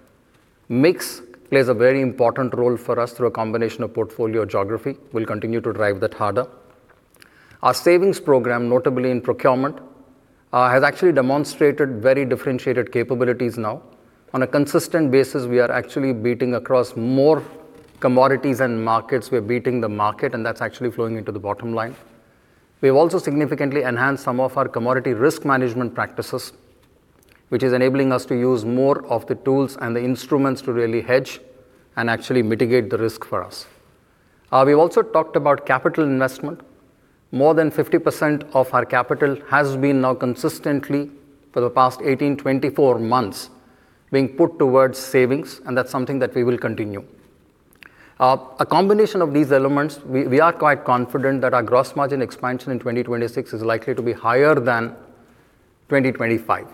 Mix plays a very important role for us through a combination of portfolio geography. We'll continue to drive that harder. Our savings program, notably in procurement, has actually demonstrated very differentiated capabilities now. On a consistent basis, we are actually beating across more commodities and markets. We're beating the market, and that's actually flowing into the bottom line. We've also significantly enhanced some of our commodity risk management practices, which is enabling us to use more of the tools and the instruments to really hedge and actually mitigate the risk for us. We've also talked about capital investment. More than 50% of our capital has been now consistently, for the past 18-24 months, being put towards savings, and that's something that we will continue. A combination of these elements, we, we are quite confident that our gross margin expansion in 2026 is likely to be higher than 2025,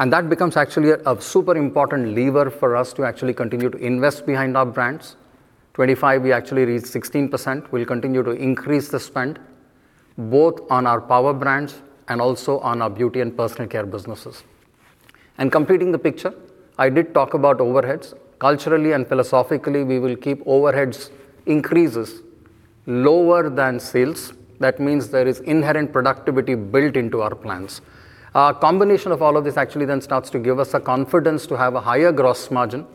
and that becomes actually a super important lever for us to actually continue to invest behind our brands. 2025, we actually reached 16%. We'll continue to increase the spend, both on our Power Brands and also on our Beauty and Personal Care businesses. Completing the picture, I did talk about overheads. Culturally and philosophically, we will keep overheads increases lower than sales. That means there is inherent productivity built into our plans. A combination of all of this actually then starts to give us the confidence to have a higher gross margin,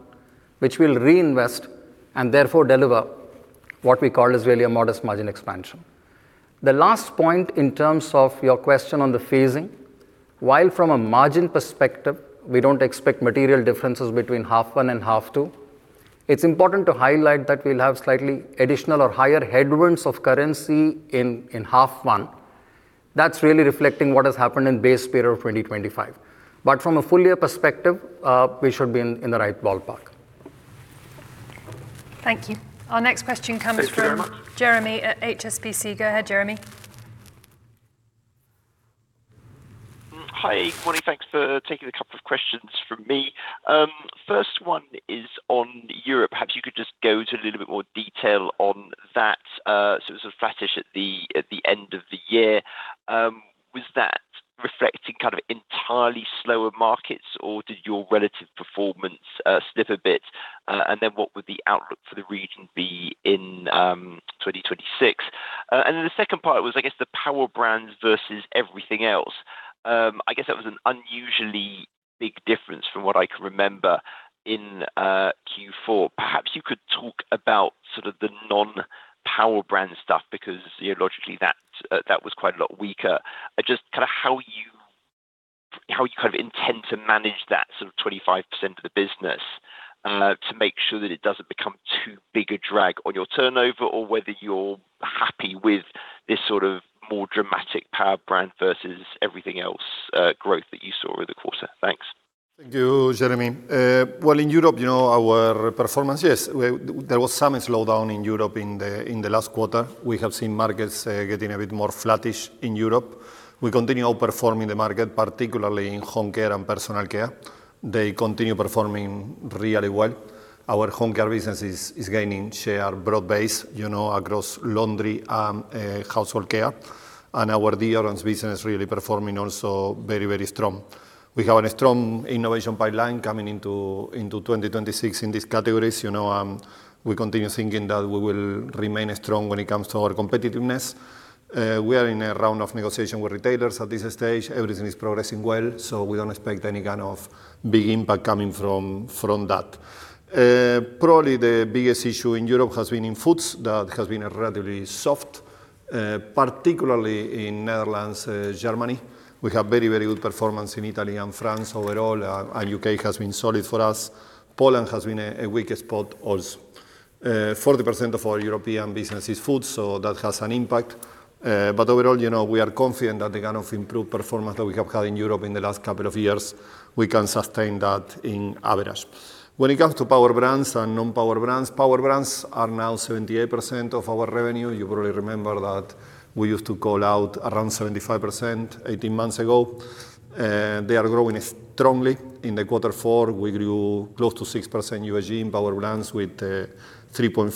which we'll reinvest and therefore deliver what we call is really a modest margin expansion. The last point in terms of your question on the phasing, while from a margin perspective, we don't expect material differences between half one and half two, it's important to highlight that we'll have slightly additional or higher headwinds of currency in half one. That's really reflecting what has happened in base period of 2025. But from a full year perspective, we should be in the right ballpark. Thank you. Thank you very much. Our next question comes from Jeremy at HSBC. Go ahead, Jeremy. Hi, good morning. Thanks for taking a couple of questions from me. First one is on Europe. Perhaps you could just go to a little bit more detail on that. So it was a flattish at the end of the year. Was that reflecting kind of entirely slower markets, or did your relative performance slip a bit? And then what would the outlook for the region be in 2026? And then the second part was, I guess, the Power Brands versus everything else. I guess that was an unusually big difference from what I can remember in Q4. Perhaps you could talk about sort of the non-Power Brand stuff, because theologically, that was quite a lot weaker. Just kind of how you kind of intend to manage that sort of 25% of the business to make sure that it doesn't become too big a drag on your turnover, or whether you're happy with this sort of more dramatic power brand versus everything else growth that you saw over the quarter. Thanks. Thank you, Jeremy. Well, in Europe, you know, our performance, yes, there was some slowdown in Europe in the, in the last quarter. We have seen markets getting a bit more flattish in Europe. We continue outperforming the market, particularly in Home Care and Personal Care. They continue performing really well. Our Home Care business is gaining share broad base, you know, across laundry and household care, and our deodorants business really performing also very, very strong. We have a strong innovation pipeline coming into 2026 in these categories. You know, we continue thinking that we will remain strong when it comes to our competitiveness. We are in a round of negotiation with retailers at this stage. Everything is progressing well, so we don't expect any kind of big impact coming from that. Probably the biggest issue in Europe has been in Foods. That has been relatively soft, particularly in Netherlands, Germany. We have very, very good performance in Italy and France overall, and U.K. has been solid for us. Poland has been a weak spot also. 40% of our European business is food, so that has an impact. But overall, you know, we are confident that the kind of improved performance that we have had in Europe in the last couple of years, we can sustain that on average. When it comes to Power Brands and non-Power Brands, Power Brands are now 78% of our revenue. You probably remember that we used to call out around 75%, 18 months ago, and they are growing strongly. In quarter four, we grew close to 6% USG in Power Brands with 3.5%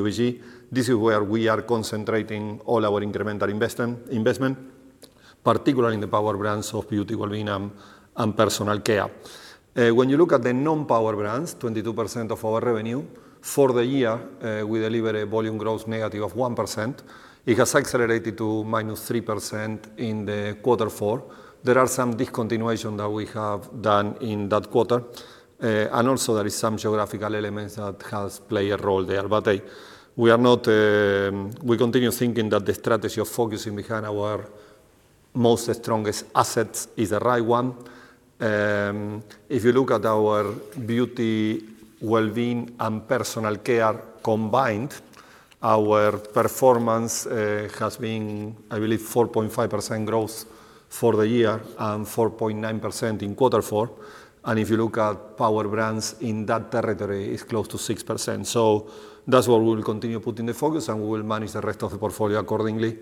USG. This is where we are concentrating all our incremental investment, particularly in the Power Brands of Beauty, Wellbeing, and Personal Care. When you look at the non-Power Brands, 22% of our revenue for the year, we delivered a volume growth negative of 1%. It has accelerated to -3% in quarter four. There are some discontinuation that we have done in that quarter, and also there is some geographical elements that has played a role there. We continue thinking that the strategy of focusing behind our most strongest assets is the right one. If you look at our Beauty, Wellbeing, and Personal Care combined, our performance has been, I believe, 4.5% growth for the year, and 4.9% in quarter four. If you look at Power Brands in that territory, it's close to 6%. That's where we'll continue putting the focus, and we will manage the rest of the portfolio accordingly.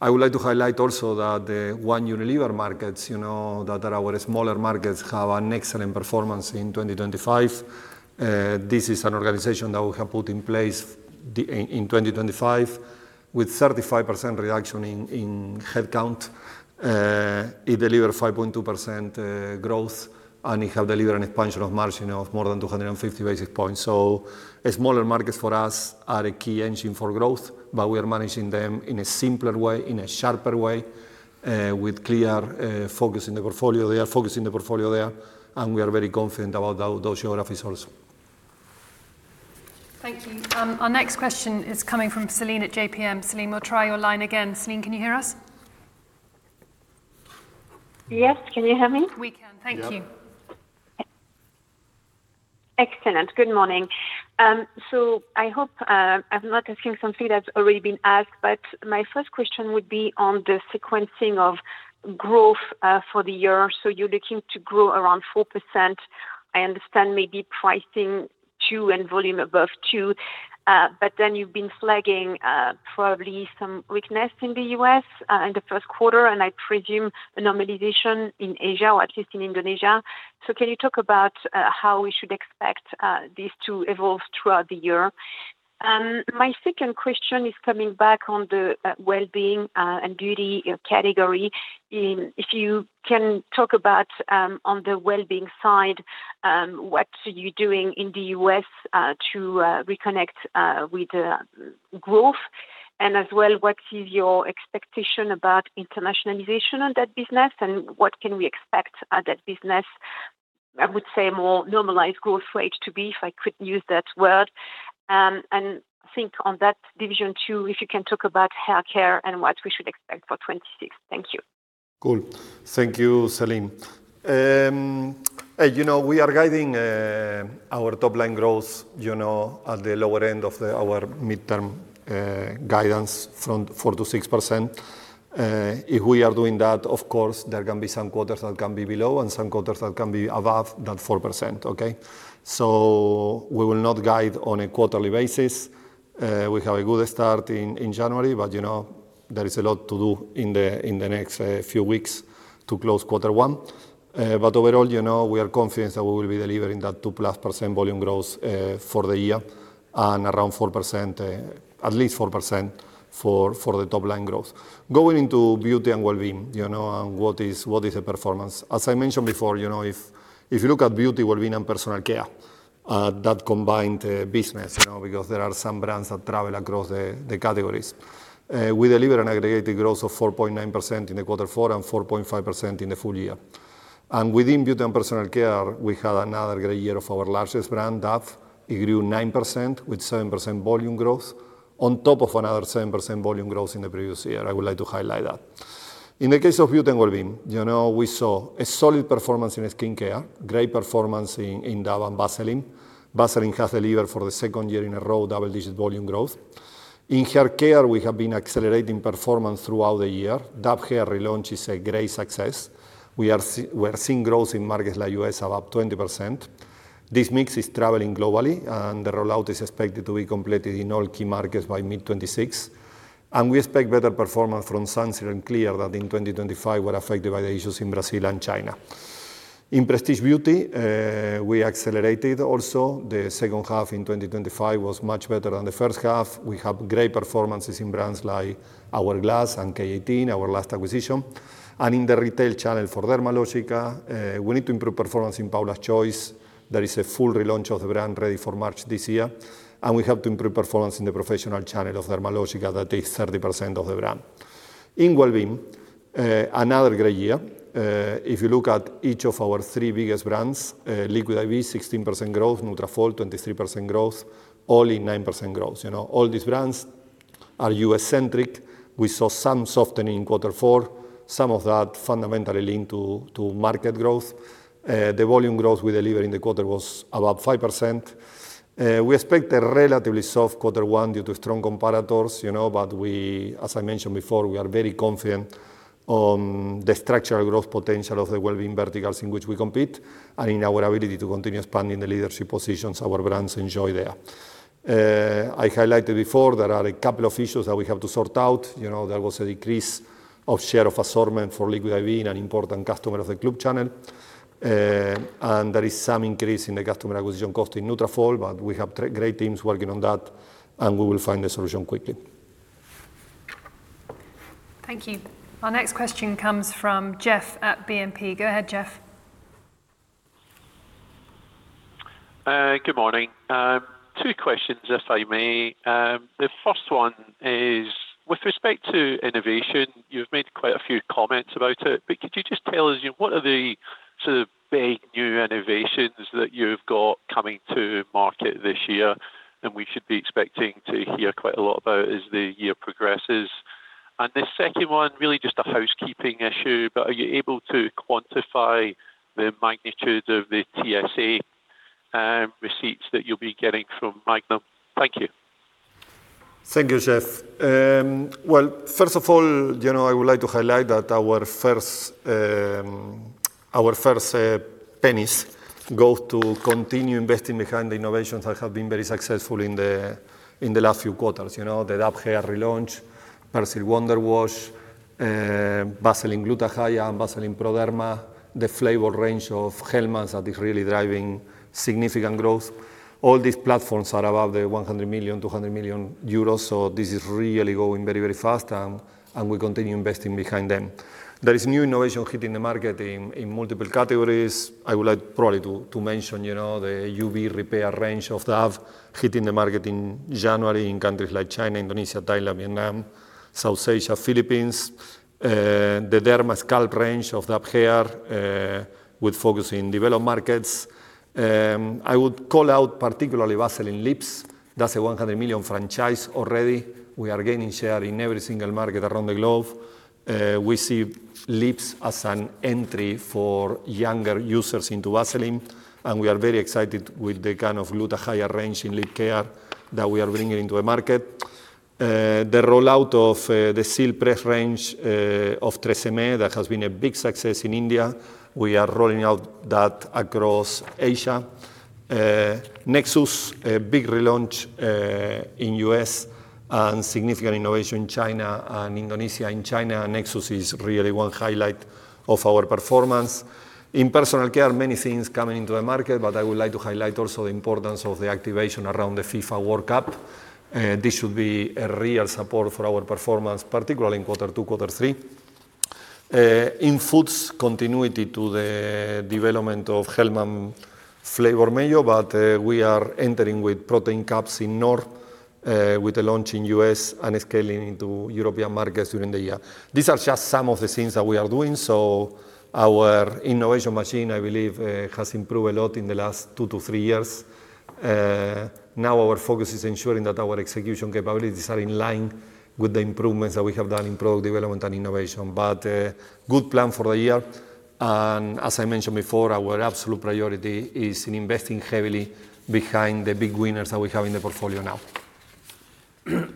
I would like to highlight also that the One Unilever markets, you know, that are our smaller markets, have an excellent performance in 2025. This is an organization that we have put in place in 2025, with 35% reduction in headcount. It delivered 5.2% growth, and it have delivered an expansion of margin of more than 250 basis points. So smaller markets for us are a key engine for growth, but we are managing them in a simpler way, in a sharper way, with clear focus in the portfolio there, focus in the portfolio there, and we are very confident about those geographies also. Thank you. Our next question is coming from Celine at JPM. Celine, we'll try your line again. Celine, can you hear us? Yes. Can you hear me? We can. Thank you. Yep. Excellent. Good morning. So I hope I'm not asking something that's already been asked, but my first question would be on the sequencing of growth for the year. So you're looking to grow around 4%. I understand maybe pricing 2% and volume above 2%, but then you've been flagging probably some weakness in the U.S. in the first quarter, and I presume a normalization in Asia, or at least in Indonesia. So can you talk about how we should expect these to evolve throughout the year? My second question is coming back on the wellbeing and beauty category. If you can talk about, on the wellbeing side, what are you doing in the U.S. to reconnect with the growth? As well, what is your expectation about internationalization on that business, and what can we expect at that business? I would say more normalized growth rate to be, if I could use that word. And think on that division too, if you can talk about hair care and what we should expect for 2026. Thank you. Cool. Thank you, Celine. As you know, we are guiding our top line growth, you know, at the lower end of our midterm guidance from 4%-6%. If we are doing that, of course, there can be some quarters that can be below and some quarters that can be above that 4%. Okay? So we will not guide on a quarterly basis. We have a good start in January, but, you know, there is a lot to do in the next few weeks to close quarter one. But overall, you know, we are confident that we will be delivering that 2%+ volume growth for the year and around 4%, at least 4% for the top line growth. Going into Beauty and Wellbeing, you know, and what is the performance? As I mentioned before, you know, if you look at Beauty, Wellbeing, and Personal Care, that combined business, you know, because there are some brands that travel across the categories. We delivered an aggregated growth of 4.9% in quarter four and 4.5% in the full year. And within Beauty and Personal Care, we had another great year of our largest brand, Dove. It grew 9%, with 7% volume growth, on top of another 7% volume growth in the previous year. I would like to highlight that. In the case of Beauty and Wellbeing, you know, we saw a solid performance in skincare, great performance in Dove and Vaseline. Vaseline has delivered for the second year in a row, double-digit volume growth. In hair care, we have been accelerating performance throughout the year. Dove Hair relaunch is a great success. We are seeing growth in markets like U.S., about 20%. This mix is traveling globally, and the rollout is expected to be completed in all key markets by mid-2026. We expect better performance from Sunsilk and Clear that in 2025 were affected by the issues in Brazil and China. In Prestige Beauty, we accelerated also. The second half in 2025 was much better than the first half. We have great performances in brands like Hourglass and K18, our last acquisition. In the retail channel for Dermalogica, we need to improve performance in Paula's Choice. There is a full relaunch of the brand ready for March this year, and we have to improve performance in the professional channel of Dermalogica that is 30% of the brand. In Wellbeing, another great year. If you look at each of our three biggest brands, Liquid I.V., 16% growth, Nutrafol, 23% growth, OLLY, 9% growth. You know, all these brands are U.S.-centric. We saw some softening in quarter four, some of that fundamentally linked to, to market growth. The volume growth we delivered in the quarter was about 5%. We expect a relatively soft quarter one due to strong comparators, you know, but as I mentioned before, we are very confident on the structural growth potential of the wellbeing verticals in which we compete and in our ability to continue expanding the leadership positions our brands enjoy there. I highlighted before, there are a couple of issues that we have to sort out. You know, there was a decrease of share of assortment for Liquid I.V., an important customer of the club channel. And there is some increase in the customer acquisition cost in Nutrafol, but we have great teams working on that, and we will find a solution quickly. Thank you. Our next question comes from Jeff at BNP. Go ahead, Jeff. Good morning. Two questions, if I may. The first one is, with respect to innovation, you've made quite a few comments about it, but could you just tell us, you know, what are the sort of big, new innovations that you've got coming to market this year that we should be expecting to hear quite a lot about as the year progresses? And the second one, really just a housekeeping issue, but are you able to quantify the magnitude of the TSA receipts that you'll be getting from Magnum? Thank you. Thank you, Jeff. Well, first of all, you know, I would like to highlight that our first pennies go to continue investing behind the innovations that have been very successful in the, in the last few quarters. You know, the Dove Hair relaunch, Persil Wonder Wash, Vaseline Gluta-Hya, and Vaseline Pro-Derma, the flavor range of Hellmann's that is really driving significant growth. All these platforms are above the 100 million, 200 million euros, so this is really going very, very fast, and we continue investing behind them. There is new innovation hitting the market in multiple categories. I would like probably to, to mention, you know, the UV repair range of Dove hitting the market in January in countries like China, Indonesia, Thailand, Vietnam, South Asia, Philippines, the Derma Scalp range of Dove Hair, with focus in developed markets. I would call out particularly Vaseline Lips. That's a 100 million franchise already. We are gaining share in every single market around the globe. We see lips as an entry for younger users into Vaseline, and we are very excited with the kind of Gluta-Hya range in lip care that we are bringing into the market. The rollout of, the Silk Press range, of TRESemmé, that has been a big success in India. We are rolling out that across Asia. Nexxus, a big relaunch, in U.S. and significant innovation in China and Indonesia. In China, Nexxus is really one highlight of our performance. In Personal Care, many things coming into the market, but I would like to highlight also the importance of the activation around the FIFA World Cup. This should be a real support for our performance, particularly in quarter two, quarter three. In Foods, continuity to the development of Hellmann's flavor mayo, but, we are entering with protein cups in North, with the launch in U.S. and scaling into European markets during the year. These are just some of the things that we are doing, so our innovation machine, I believe, has improved a lot in the last two to three years. Now our focus is ensuring that our execution capabilities are in line with the improvements that we have done in product development and innovation. A good plan for the year, and as I mentioned before, our absolute priority is in investing heavily behind the big winners that we have in the portfolio now.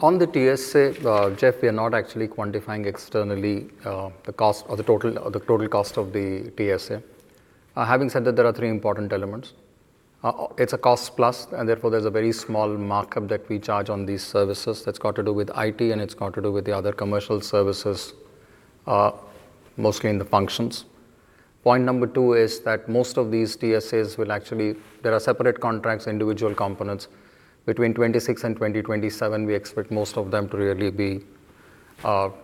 On the TSA, Jeff, we are not actually quantifying externally the cost or the total, or the total cost of the TSA. Having said that, there are three important elements. It's a cost plus, and therefore, there's a very small markup that we charge on these services. That's got to do with IT, and it's got to do with the other commercial services, mostly in the functions. Point number two is that most of these TSAs will actually... There are separate contracts, individual components. Between 2026 and 2027, we expect most of them to really be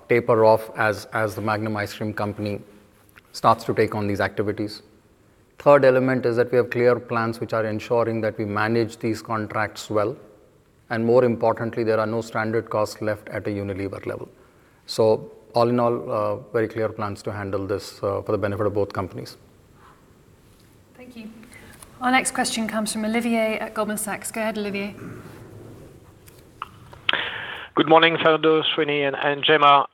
taper off as the Magnum ice cream company starts to take on these activities. Third element is that we have clear plans which are ensuring that we manage these contracts well, and more importantly, there are no standard costs left at the Unilever level. So all in all, very clear plans to handle this, for the benefit of both companies. Thank you. Our next question comes from Olivier at Goldman Sachs. Go ahead, Olivier. Good morning, Fernando, Srini, and Jemma.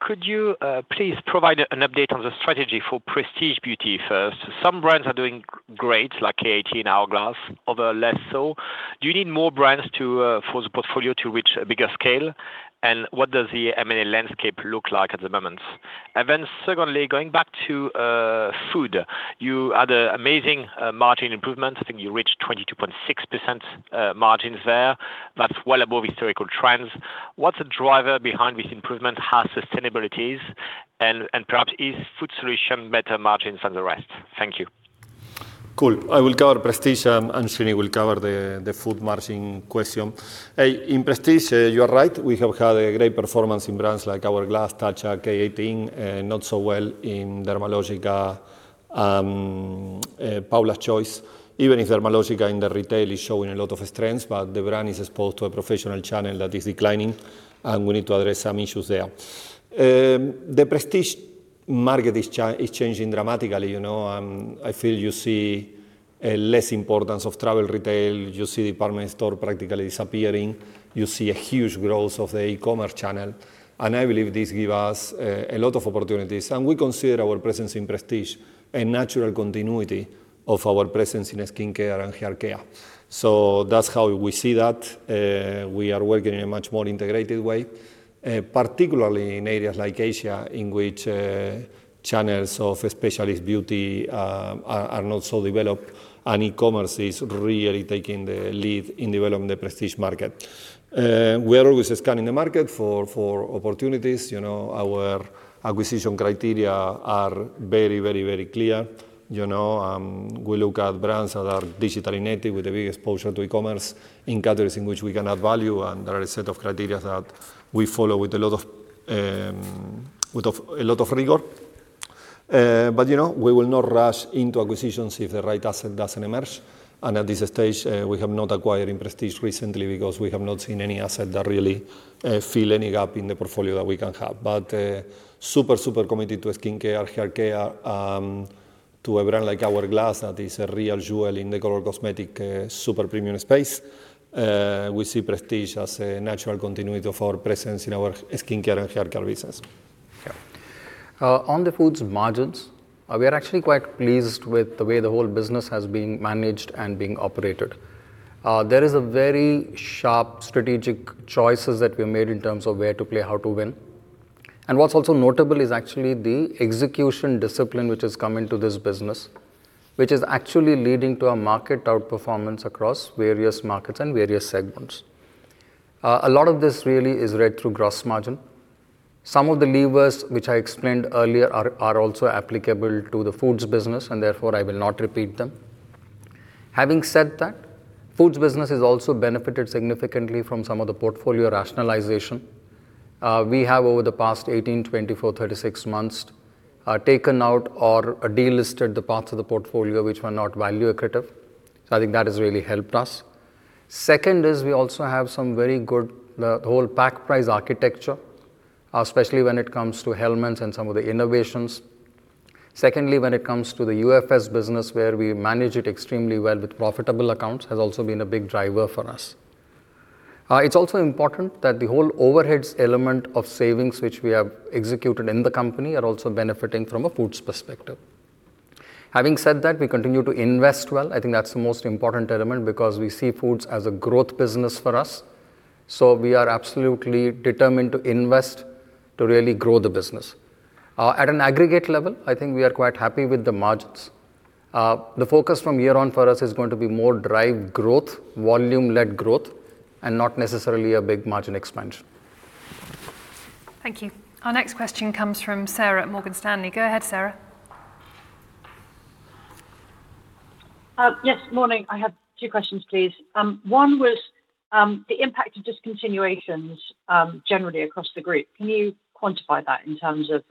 Could you please provide an update on the strategy for Prestige Beauty first? Some brands are doing great, like K18, Hourglass, others less so. Do you need more brands to for the portfolio to reach a bigger scale? And what does the M&A landscape look like at the moment? And then secondly, going back to Food, you had an amazing margin improvement. I think you reached 22.6% margins there. That's well above historical trends. What's the driver behind this improvement? How sustainability is, and perhaps is Food Solutions better margins than the rest? Thank you. Cool. I will cover Prestige, and Srini will cover the Food margin question. In Prestige, you are right, we have had a great performance in brands like Hourglass, Tatcha, K18, not so well in Dermalogica, Paula's Choice. Even if Dermalogica in the retail is showing a lot of strengths, but the brand is exposed to a professional channel that is declining, and we need to address some issues there. The Prestige market is changing dramatically, you know, and I feel you see a less importance of travel retail, you see department store practically disappearing, you see a huge growth of the e-commerce channel, and I believe this give us a lot of opportunities. And we consider our presence in Prestige a natural continuity of our presence in skincare and hair care. So that's how we see that. We are working in a much more integrated way, particularly in areas like Asia, in which channels of specialist beauty are not so developed, and e-commerce is really taking the lead in developing the Prestige market. We are always scanning the market for opportunities. You know, our acquisition criteria are very, very, very clear. You know, we look at brands that are digitally native with a big exposure to e-commerce in categories in which we can add value, and there are a set of criteria that we follow with a lot of rigor. But you know, we will not rush into acquisitions if the right asset doesn't emerge, and at this stage, we have not acquired in Prestige recently because we have not seen any asset that really fill any gap in the portfolio that we can have. But super, super committed to skincare, hair care, to a brand like Hourglass, that is a real jewel in the color cosmetic super premium space. We see Prestige as a natural continuity of our presence in our skincare and hair care business. Yeah. On the Foods margins, we are actually quite pleased with the way the whole business has been managed and being operated. There is a very sharp strategic choices that we made in terms of where to play, how to win. And what's also notable is actually the execution discipline which has come into this business, which is actually leading to a market outperformance across various markets and various segments. A lot of this really is read through gross margin. Some of the levers, which I explained earlier, are also applicable to the Foods business, and therefore I will not repeat them. Having said that, Foods business has also benefited significantly from some of the portfolio rationalization. We have, over the past 18, 24, 36 months, taken out or delisted the parts of the portfolio which were not value accretive, so I think that has really helped us. Second is, we also have some very good, the whole pack price architecture, especially when it comes to Hellmann's and some of the innovations. Secondly, when it comes to the UFS business, where we manage it extremely well with profitable accounts, has also been a big driver for us. It's also important that the whole overheads element of savings, which we have executed in the company, are also benefiting from a Foods perspective. Having said that, we continue to invest well. I think that's the most important element, because we see Foods as a growth business for us. So we are absolutely determined to invest to really grow the business. At an aggregate level, I think we are quite happy with the margins. The focus from here on for us is going to be more drive growth, volume-led growth, and not necessarily a big margin expansion. Thank you. Our next question comes from Sarah at Morgan Stanley. Go ahead, Dara. Yes, morning. I have two questions, please. One was the impact of discontinuations generally across the group. Can you quantify that in terms of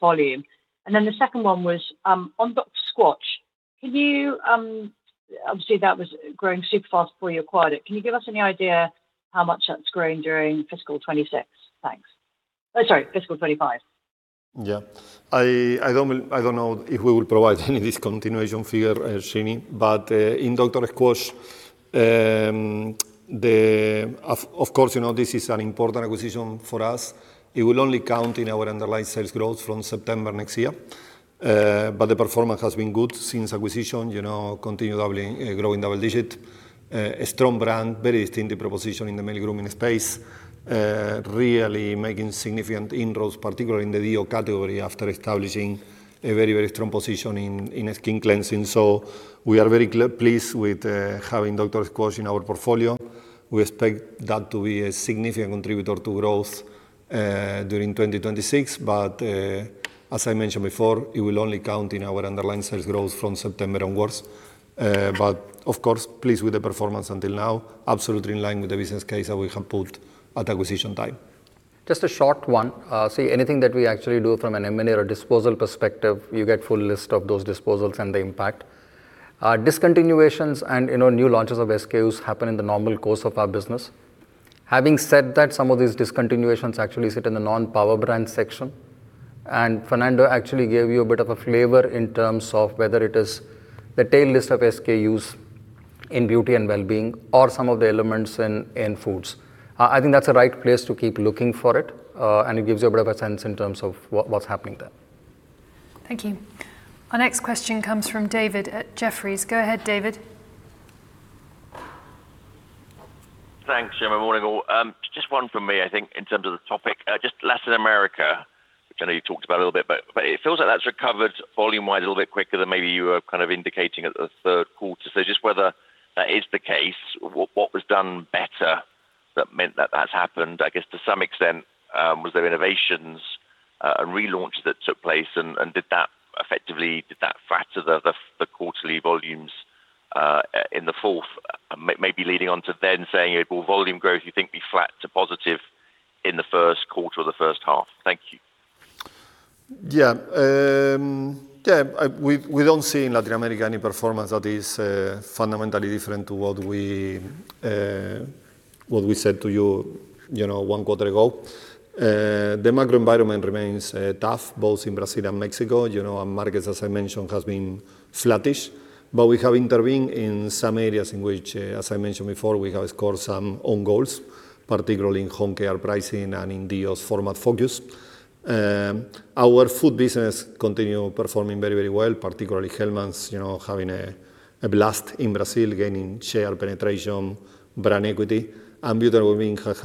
volume? And then the second one was on Dr. Squatch. Obviously, that was growing super fast before you acquired it. Can you give us any idea how much that's grown during fiscal 2026? Thanks. Sorry, fiscal 2025. Yeah. I don't know if we will provide any discontinuation figure, Srini, but in Dr. Squatch, of course, you know, this is an important acquisition for us. It will only count in our underlying sales growth from September next year. But the performance has been good since acquisition, you know, continue doubling, growing double digit. A strong brand, very distinctive proposition in the male grooming space, really making significant inroads, particularly in the deo category, after establishing a very strong position in skin cleansing. So we are very pleased with having Dr. Squatch in our portfolio. We expect that to be a significant contributor to growth during 2026. But as I mentioned before, it will only count in our underlying sales growth from September onwards. Of course, pleased with the performance until now, absolutely in line with the business case that we have put at acquisition time. Just a short one. So anything that we actually do from an M&A or disposal perspective, you get full list of those disposals and the impact. Discontinuations and, you know, new launches of SKUs happen in the normal course of our business. Having said that, some of these discontinuations actually sit in the non-Power Brand section, and Fernando actually gave you a bit of a flavor in terms of whether it is the tail list of SKUs in Beauty and Wellbeing or some of the elements in Foods. I think that's the right place to keep looking for it, and it gives you a bit of a sense in terms of what's happening there. Thank you. Our next question comes from David at Jefferies. Go ahead, David. Thanks, Jemma. Good morning, all. Just one from me, I think, in terms of the topic. Just Latin America, which I know you talked about a little bit, but it feels like that's recovered volume-wise a little bit quicker than maybe you were kind of indicating at the third quarter. So just whether that is the case, what was done better that meant that that's happened? I guess, to some extent, was there innovations and relaunch that took place, and did that effectively flatter the quarterly volumes in the fourth? Maybe leading on to then saying, will volume growth, you think, be flat to positive in the first quarter or the first half? Thank you. Yeah. Yeah, I, we, we don't see in Latin America any performance that is fundamentally different to what we, what we said to you, you know, one quarter ago. The macro environment remains tough, both in Brazil and Mexico. You know, markets, as I mentioned, has been flattish. We have intervened in some areas in which, as I mentioned before, we have scored some own goals, particularly in Home Care pricing and in deos format focus. Our Food business continue performing very, very well, particularly Hellmann's, you know, having a blast in Brazil, gaining share penetration, brand equity, and Nutrafol women have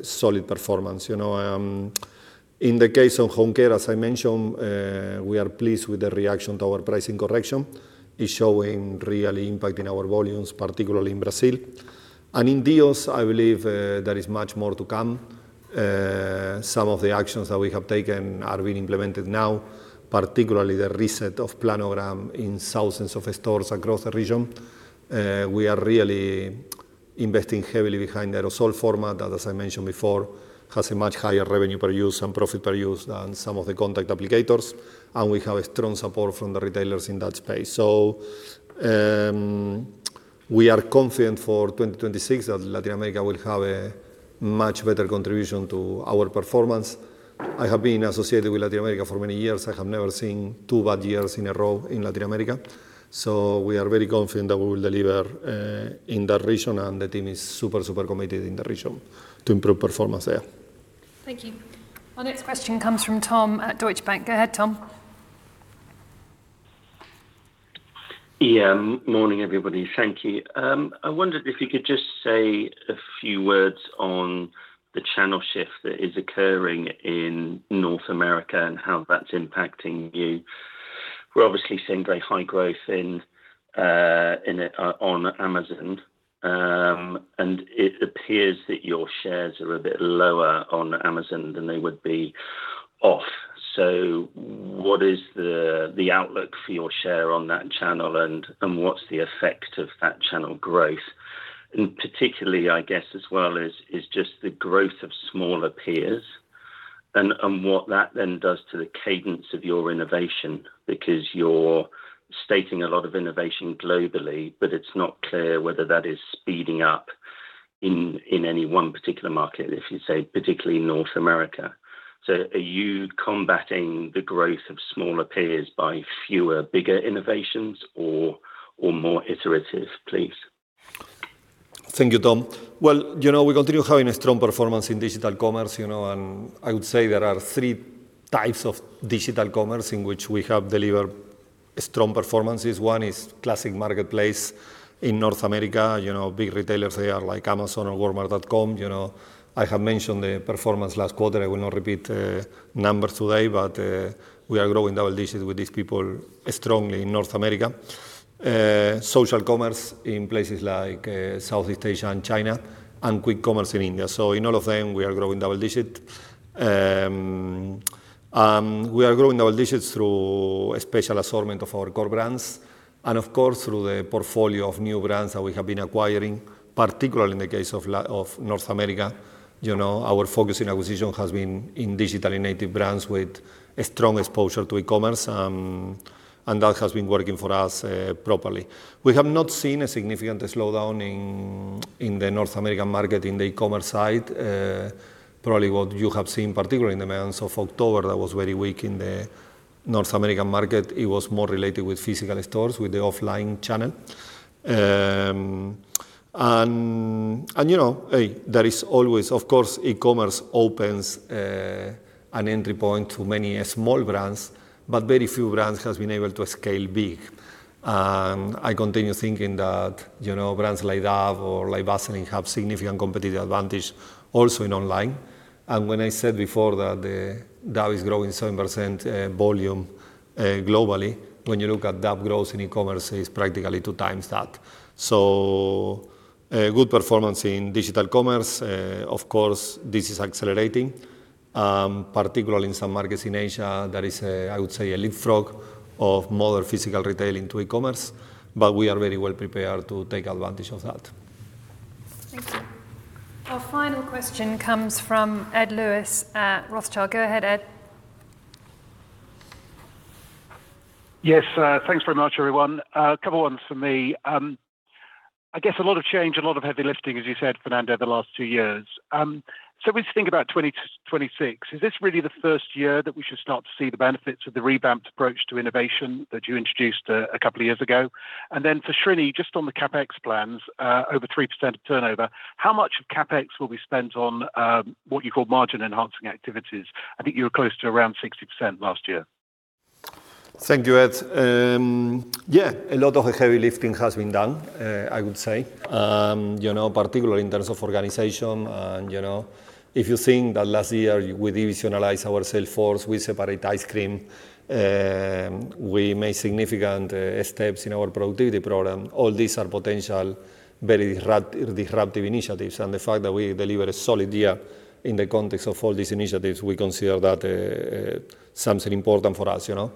a solid performance. You know, in the case of Home Care, as I mentioned, we are pleased with the reaction to our pricing correction. It's showing really impact in our volumes, particularly in Brazil. In deos, I believe, there is much more to come. Some of the actions that we have taken are being implemented now, particularly the reset of planogram in thousands of stores across the region. We are really investing heavily behind the aerosol format that, as I mentioned before, has a much higher revenue per use and profit per use than some of the contact applicators, and we have a strong support from the retailers in that space. So, we are confident for 2026 that Latin America will have a much better contribution to our performance. I have been associated with Latin America for many years. I have never seen two bad years in a row in Latin America, so we are very confident that we will deliver in that region, and the team is super, super committed in the region to improve performance there. Thank you. Our next question comes from Tom at Deutsche Bank. Go ahead, Tom. Yeah. Morning, everybody. Thank you. I wondered if you could just say a few words on the channel shift that is occurring in North America and how that's impacting you. We're obviously seeing very high growth in on Amazon, and it appears that your shares are a bit lower on Amazon than they would be off. So what is the outlook for your share on that channel, and what's the effect of that channel growth? And particularly, I guess, as well, is just the growth of smaller peers and what that then does to the cadence of your innovation, because you're stating a lot of innovation globally, but it's not clear whether that is speeding up in any one particular market, if you say, particularly North America. Are you combating the growth of smaller peers by fewer, bigger innovations or more iterative, please? Thank you, Tom. Well, you know, we continue having a strong performance in digital commerce, you know, and I would say there are three types of digital commerce in which we have delivered strong performances. One is classic marketplace in North America, you know, big retailers, they are like Amazon or walmart.com. You know, I have mentioned the performance last quarter. I will not repeat the numbers today, but we are growing double digits with these people strongly in North America. Social commerce in places like Southeast Asia and China, and quick commerce in India. So in all of them, we are growing double digit. We are growing double digits through a special assortment of our core brands and, of course, through the portfolio of new brands that we have been acquiring, particularly in the case of North America. You know, our focus in acquisition has been in digitally native brands with a strong exposure to e-commerce, and that has been working for us, properly. We have not seen a significant slowdown in the North American market, in the e-commerce side. Probably what you have seen, particularly in the months of October, that was very weak in the North American market, it was more related with physical stores, with the offline channel. And you know, there is always, of course, e-commerce opens an entry point to many small brands, but very few brands has been able to scale big. And I continue thinking that, you know, brands like Dove or like Vaseline have significant competitive advantage also in online. When I said before that the Dove is growing 7% volume globally, when you look at that growth in e-commerce, it's practically 2x that. A good performance in digital commerce. Of course, this is accelerating, particularly in some markets in Asia. There is, I would say, a leapfrog of modern physical retail into e-commerce, but we are very well prepared to take advantage of that. Thank you. Our final question comes from Ed Lewis at Rothschild. Go ahead, Ed. Yes, thanks very much, everyone. A couple ones from me. I guess a lot of change, a lot of heavy lifting, as you said, Fernando, the last two years. So we think about 2026. Is this really the first year that we should start to see the benefits of the revamped approach to innovation that you introduced a couple of years ago? And then for Srini, just on the CapEx plans, over 3% of turnover, how much of CapEx will be spent on what you call margin-enhancing activities? I think you were close to around 60% last year. Thank you, Ed. Yeah, a lot of the heavy lifting has been done, I would say. You know, particularly in terms of organization, and, you know, if you think that last year we divisionalized our sales force, we separate ice cream, we made significant steps in our productivity program. All these are potential very disruptive initiatives, and the fact that we deliver a solid year in the context of all these initiatives, we consider that something important for us, you know?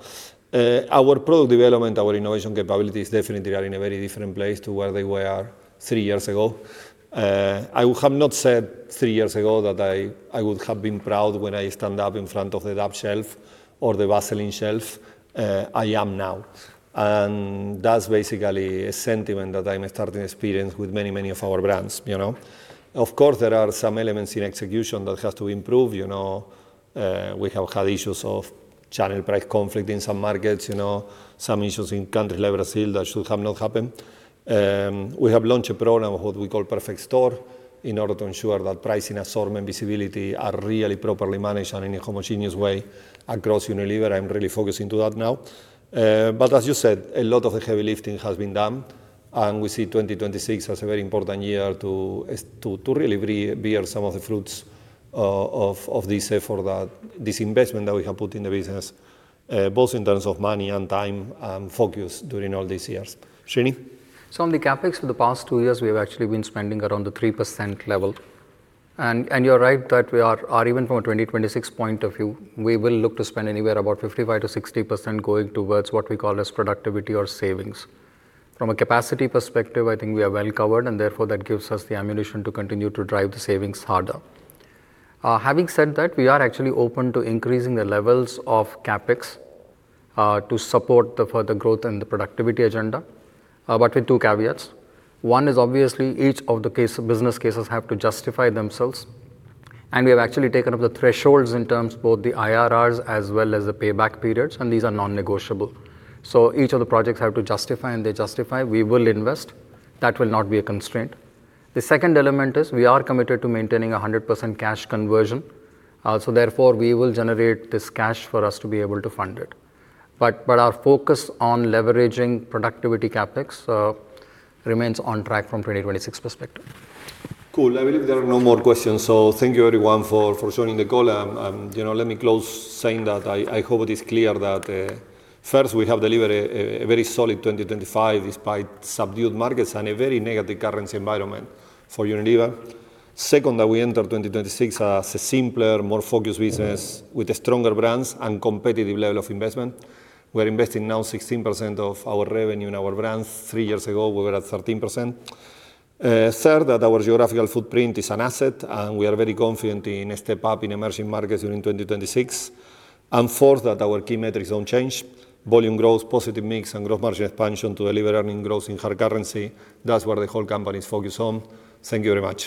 Our product development, our innovation capabilities definitely are in a very different place to where they were three years ago. I would have not said three years ago that I would have been proud when I stand up in front of the Dove shelf or the Vaseline shelf. I am now, and that's basically a sentiment that I'm starting to experience with many, many of our brands, you know? Of course, there are some elements in execution that have to improve, you know. We have had issues of channel price conflict in some markets, you know, some issues in country like Brazil that should have not happened. We have launched a program, what we call Perfect Store, in order to ensure that pricing assortment visibility are really properly managed and in a homogeneous way across Unilever. I'm really focusing to that now. But as you said, a lot of the heavy lifting has been done, and we see 2026 as a very important year to really reap some of the fruits of this effort, this investment that we have put in the business, both in terms of money and time and focus during all these years. Srini? So on the CapEx for the past two years, we have actually been spending around the 3% level. And you're right that we are even from a 2026 point of view, we will look to spend anywhere about 55%-60% going towards what we call as productivity or savings. From a capacity perspective, I think we are well covered, and therefore, that gives us the ammunition to continue to drive the savings harder. Having said that, we are actually open to increasing the levels of CapEx to support the further growth and the productivity agenda, but with two caveats. One is obviously each of the case, business cases have to justify themselves, and we have actually taken up the thresholds in terms both the IRRs as well as the payback periods, and these are non-negotiable. So each of the projects have to justify, and they justify, we will invest. That will not be a constraint. The second element is we are committed to maintaining 100% cash conversion. So therefore, we will generate this cash for us to be able to fund it. But our focus on leveraging productivity CapEx remains on track from 2026 perspective. Cool. I believe there are no more questions. So thank you everyone for joining the call. You know, let me close saying that I hope it is clear that first, we have delivered a very solid 2025, despite subdued markets and a very negative currency environment for Unilever. Second, that we enter 2026 as a simpler, more focused business with stronger brands and competitive level of investment. We're investing now 16% of our revenue in our brands. Three years ago, we were at 13%. Third, that our geographical footprint is an asset, and we are very confident in a step up in emerging markets during 2026. And fourth, that our key metrics don't change. Volume growth, positive mix, and growth margin expansion to deliver earnings growth in hard currency. That's where the whole company is focused on. Thank you very much.